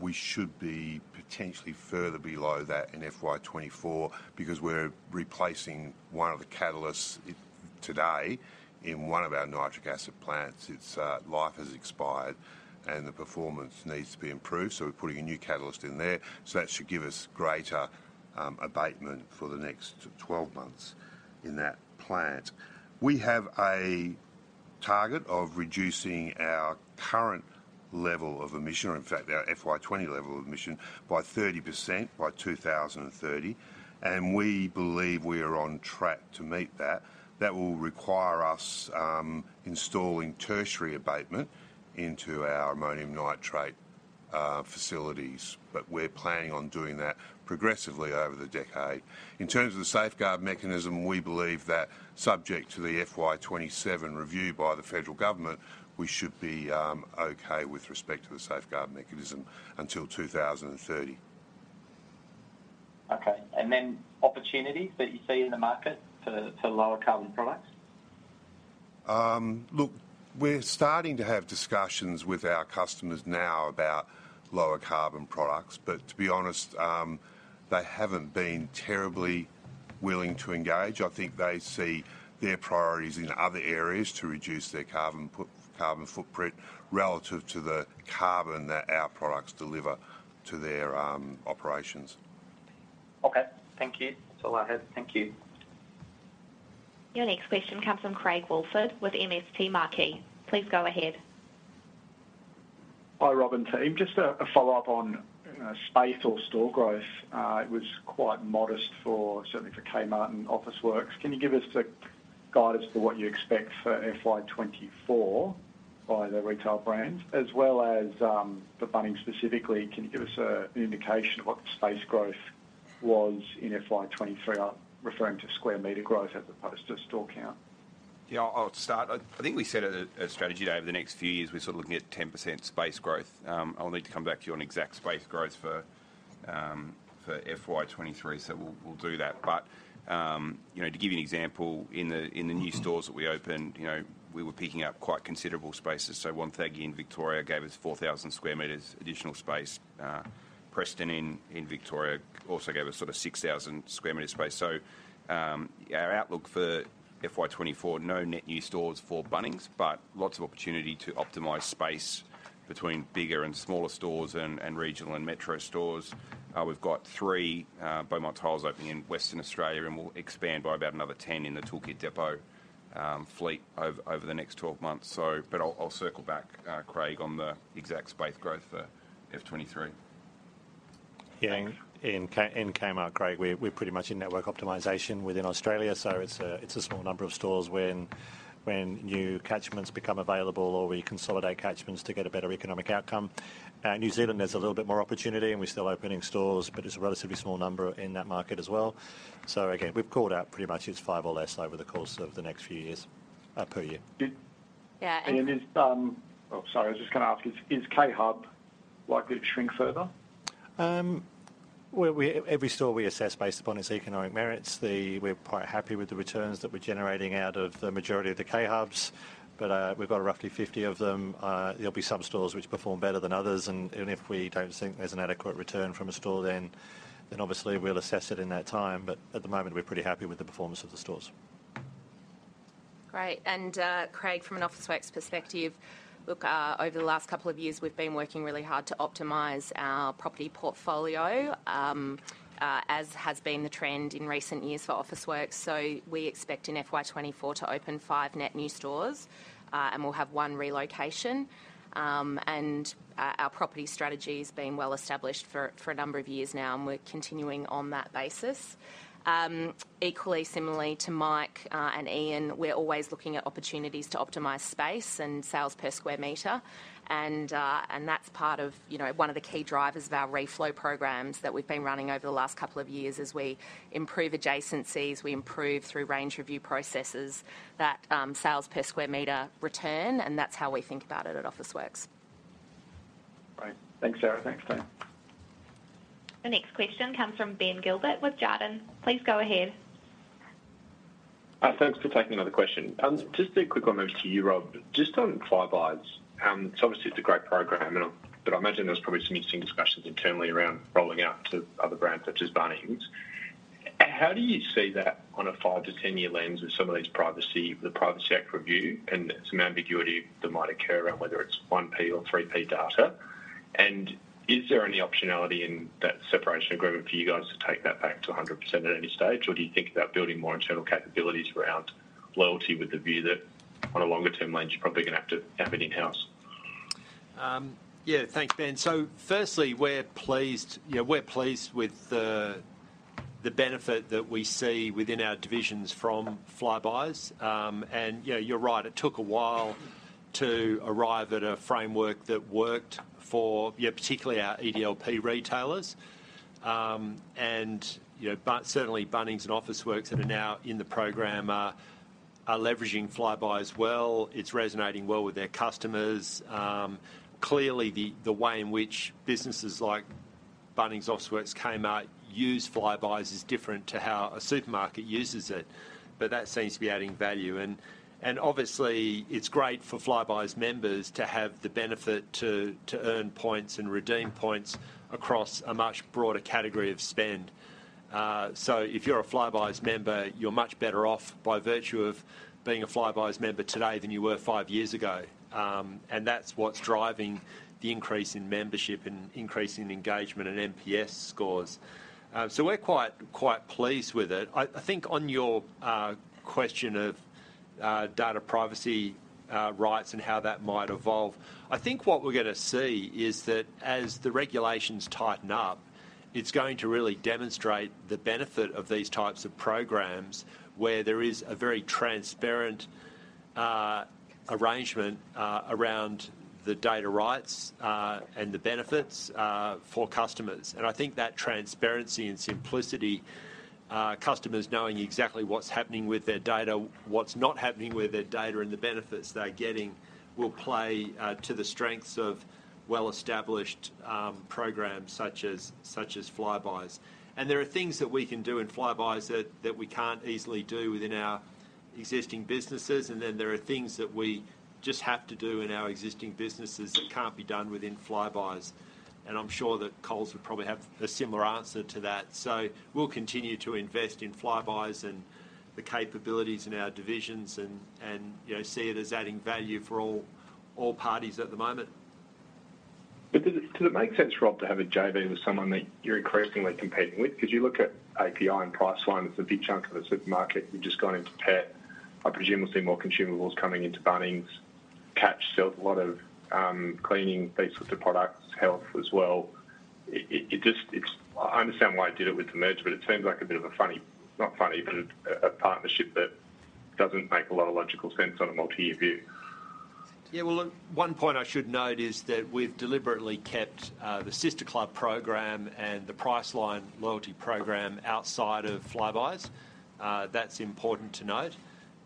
we should be potentially further below that in FY 2024, because we're replacing one of the catalysts today in one of our nitric acid plants. Its life has expired, and the performance needs to be improved, so we're putting a new catalyst in there. So that should give us greater abatement for the next 12 months in that plant. We have a target of reducing our current level of emission, or in fact, our FY 2020 level of emission, by 30% by 2030, and we believe we are on track to meet that. That will require us installing tertiary abatement into our ammonium nitrate facilities, but we're planning on doing that progressively over the decade. In terms of the safeguard mechanism, we believe that subject to the FY 2027 review by the federal government, we should be okay with respect to the safeguard mechanism until 2030. Okay. And then opportunities that you see in the market for, for lower carbon products? Look, we're starting to have discussions with our customers now about lower carbon products, but to be honest, they haven't been terribly willing to engage. I think they see their priorities in other areas to reduce their carbon foot, carbon footprint relative to the carbon that our products deliver to their operations. Okay. Thank you. That's all I have. Thank you. Your next question comes from Craig Wolford with MST Marquee. Please go ahead. Hi, Rob and team. Just a follow-up on space or store growth. It was quite modest for certainly for Kmart and Officeworks. Can you give us a guidance for what you expect for FY 2024 by the retail brands, as well as for Bunnings specifically, can you give us an indication of what the space growth was in FY 2023? I'm referring to square meter growth as opposed to store count. Yeah, I'll start. I think we set a strategy that over the next few years, we're sort of looking at 10% space growth. I'll need to come back to you on exact space growth for FY 2023, so we'll do that. But you know, to give you an example, in the new stores that we opened, you know, we were picking up quite considerable spaces. So Wonthaggi in Victoria gave us 4,000 square meters additional space. Preston in Victoria also gave us sort of 6,000 square meter space. So our outlook for FY 2024, no net new stores for Bunnings, but lots of opportunity to optimize space between bigger and smaller stores and regional and metro stores. We've got three Beaumont Tiles opening in Western Australia, and we'll expand by about another 10 in the Tool Kit Depot fleet over the next 12 months. But I'll circle back, Craig, on the exact space growth for FY 2023.... Yeah, in Kmart, Craig, we're pretty much in network optimization within Australia, so it's a small number of stores when new catchments become available or we consolidate catchments to get a better economic outcome. New Zealand, there's a little bit more opportunity, and we're still opening stores, but it's a relatively small number in that market as well. So again, we've called out pretty much it's five or less over the course of the next few years, per year. Yeah- And is... Oh, sorry, I was just gonna ask, is, is K Hub likely to shrink further? Well, every store we assess based upon its economic merits. We're quite happy with the returns that we're generating out of the majority of the K Hubs, but we've got roughly 50 of them. There'll be some stores which perform better than others, and if we don't think there's an adequate return from a store then obviously we'll assess it in that time, but at the moment we're pretty happy with the performance of the stores. Great, and, Craig, from an Officeworks perspective, look, over the last couple of years, we've been working really hard to optimize our property portfolio, as has been the trend in recent years for Officeworks. So we expect in FY 2024 to open five net new stores, and we'll have 1 relocation. And, our property strategy's been well established for a number of years now, and we're continuing on that basis. Equally, similarly to Mike and Ian, we're always looking at opportunities to optimize space and sales per square meter, and that's part of, you know, one of the key drivers of our reflow programs that we've been running over the last couple of years as we improve adjacencies, we improve through range review processes, that sales per square meter return, and that's how we think about it at Officeworks. Great. Thanks, Sarah. Thanks, team. The next question comes from Ben Gilbert with Jarden. Please go ahead. Thanks for taking another question. Just a quick one over to you, Rob. Just on Flybuys, so obviously it's a great program, and but I imagine there's probably some interesting discussions internally around rolling out to other brands such as Bunnings. How do you see that on a 5-10-year lens with some of these privacy, the Privacy Act review, and some ambiguity that might occur around whether it's one pay or three pay data? And is there any optionality in that separation agreement for you guys to take that back to 100% at any stage, or do you think about building more internal capabilities around loyalty with the view that on a longer-term lens, you're probably gonna have to have it in-house? Yeah, thanks, Ben. So firstly, we're pleased, you know, we're pleased with the benefit that we see within our divisions from Flybuys. And yeah, you're right, it took a while to arrive at a framework that worked for, yeah, particularly our EDLP retailers. And, you know, certainly Bunnings and Officeworks that are now in the program are leveraging Flybuys well. It's resonating well with their customers. Clearly, the way in which businesses like Bunnings, Officeworks, Kmart use Flybuys is different to how a supermarket uses it, but that seems to be adding value. And obviously, it's great for Flybuys members to have the benefit to earn points and redeem points across a much broader category of spend. So if you're a Flybuys member, you're much better off by virtue of being a Flybuys member today than you were five years ago. And that's what's driving the increase in membership and increase in engagement and NPS scores. So we're quite, quite pleased with it. I think on your question of data privacy rights and how that might evolve, I think what we're gonna see is that as the regulations tighten up, it's going to really demonstrate the benefit of these types of programs, where there is a very transparent arrangement around the data rights and the benefits for customers. I think that transparency and simplicity, customers knowing exactly what's happening with their data, what's not happening with their data, and the benefits they're getting, will play to the strengths of well-established programs such as, such as Flybuys. There are things that we can do in Flybuys that we can't easily do within our existing businesses, and then there are things that we just have to do in our existing businesses that can't be done within Flybuys. I'm sure that Coles would probably have a similar answer to that. We'll continue to invest in Flybuys and the capabilities in our divisions and, you know, see it as adding value for all parties at the moment. But does it, does it make sense, Rob, to have a JV with someone that you're increasingly competing with? because you look at API and Priceline, it's a big chunk of the supermarket. You've just gone into pet. I presumably see more consumables coming into Bunnings. Catch sells a lot of cleaning-based sorts of products, health as well. It just, it's—I understand why you did it with the merge, but it seems like a bit of a funny, not funny, but a, a partnership that doesn't make a lot of logical sense on a multi-year view. Yeah, well, look, one point I should note is that we've deliberately kept the Sister Club program and the Priceline loyalty program outside of Flybuys. That's important to note.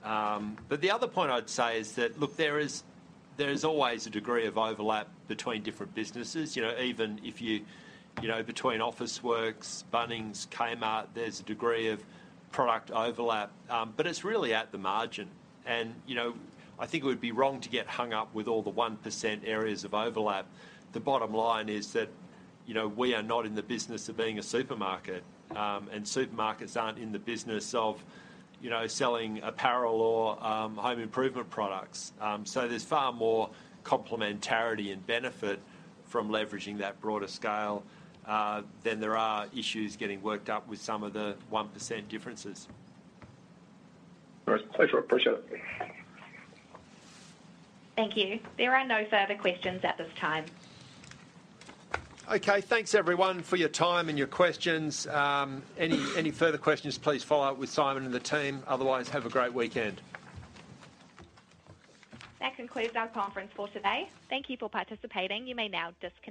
But the other point I'd say is that, look, there is, there is always a degree of overlap between different businesses. You know, even if you, you know, between Officeworks, Bunnings, Kmart, there's a degree of product overlap. But it's really at the margin, and, you know, I think it would be wrong to get hung up with all the one percent areas of overlap. The bottom line is that, you know, we are not in the business of being a supermarket, and supermarkets aren't in the business of, you know, selling apparel or home improvement products. There's far more complementarity and benefit from leveraging that broader scale than there are issues getting worked up with some of the 1% differences. Great. Thanks, Rob. Appreciate it. Thank you. There are no further questions at this time. Okay, thanks, everyone, for your time and your questions. Any further questions, please follow up with Simon and the team. Otherwise, have a great weekend. That concludes our conference for today. Thank you for participating. You may now disconnect.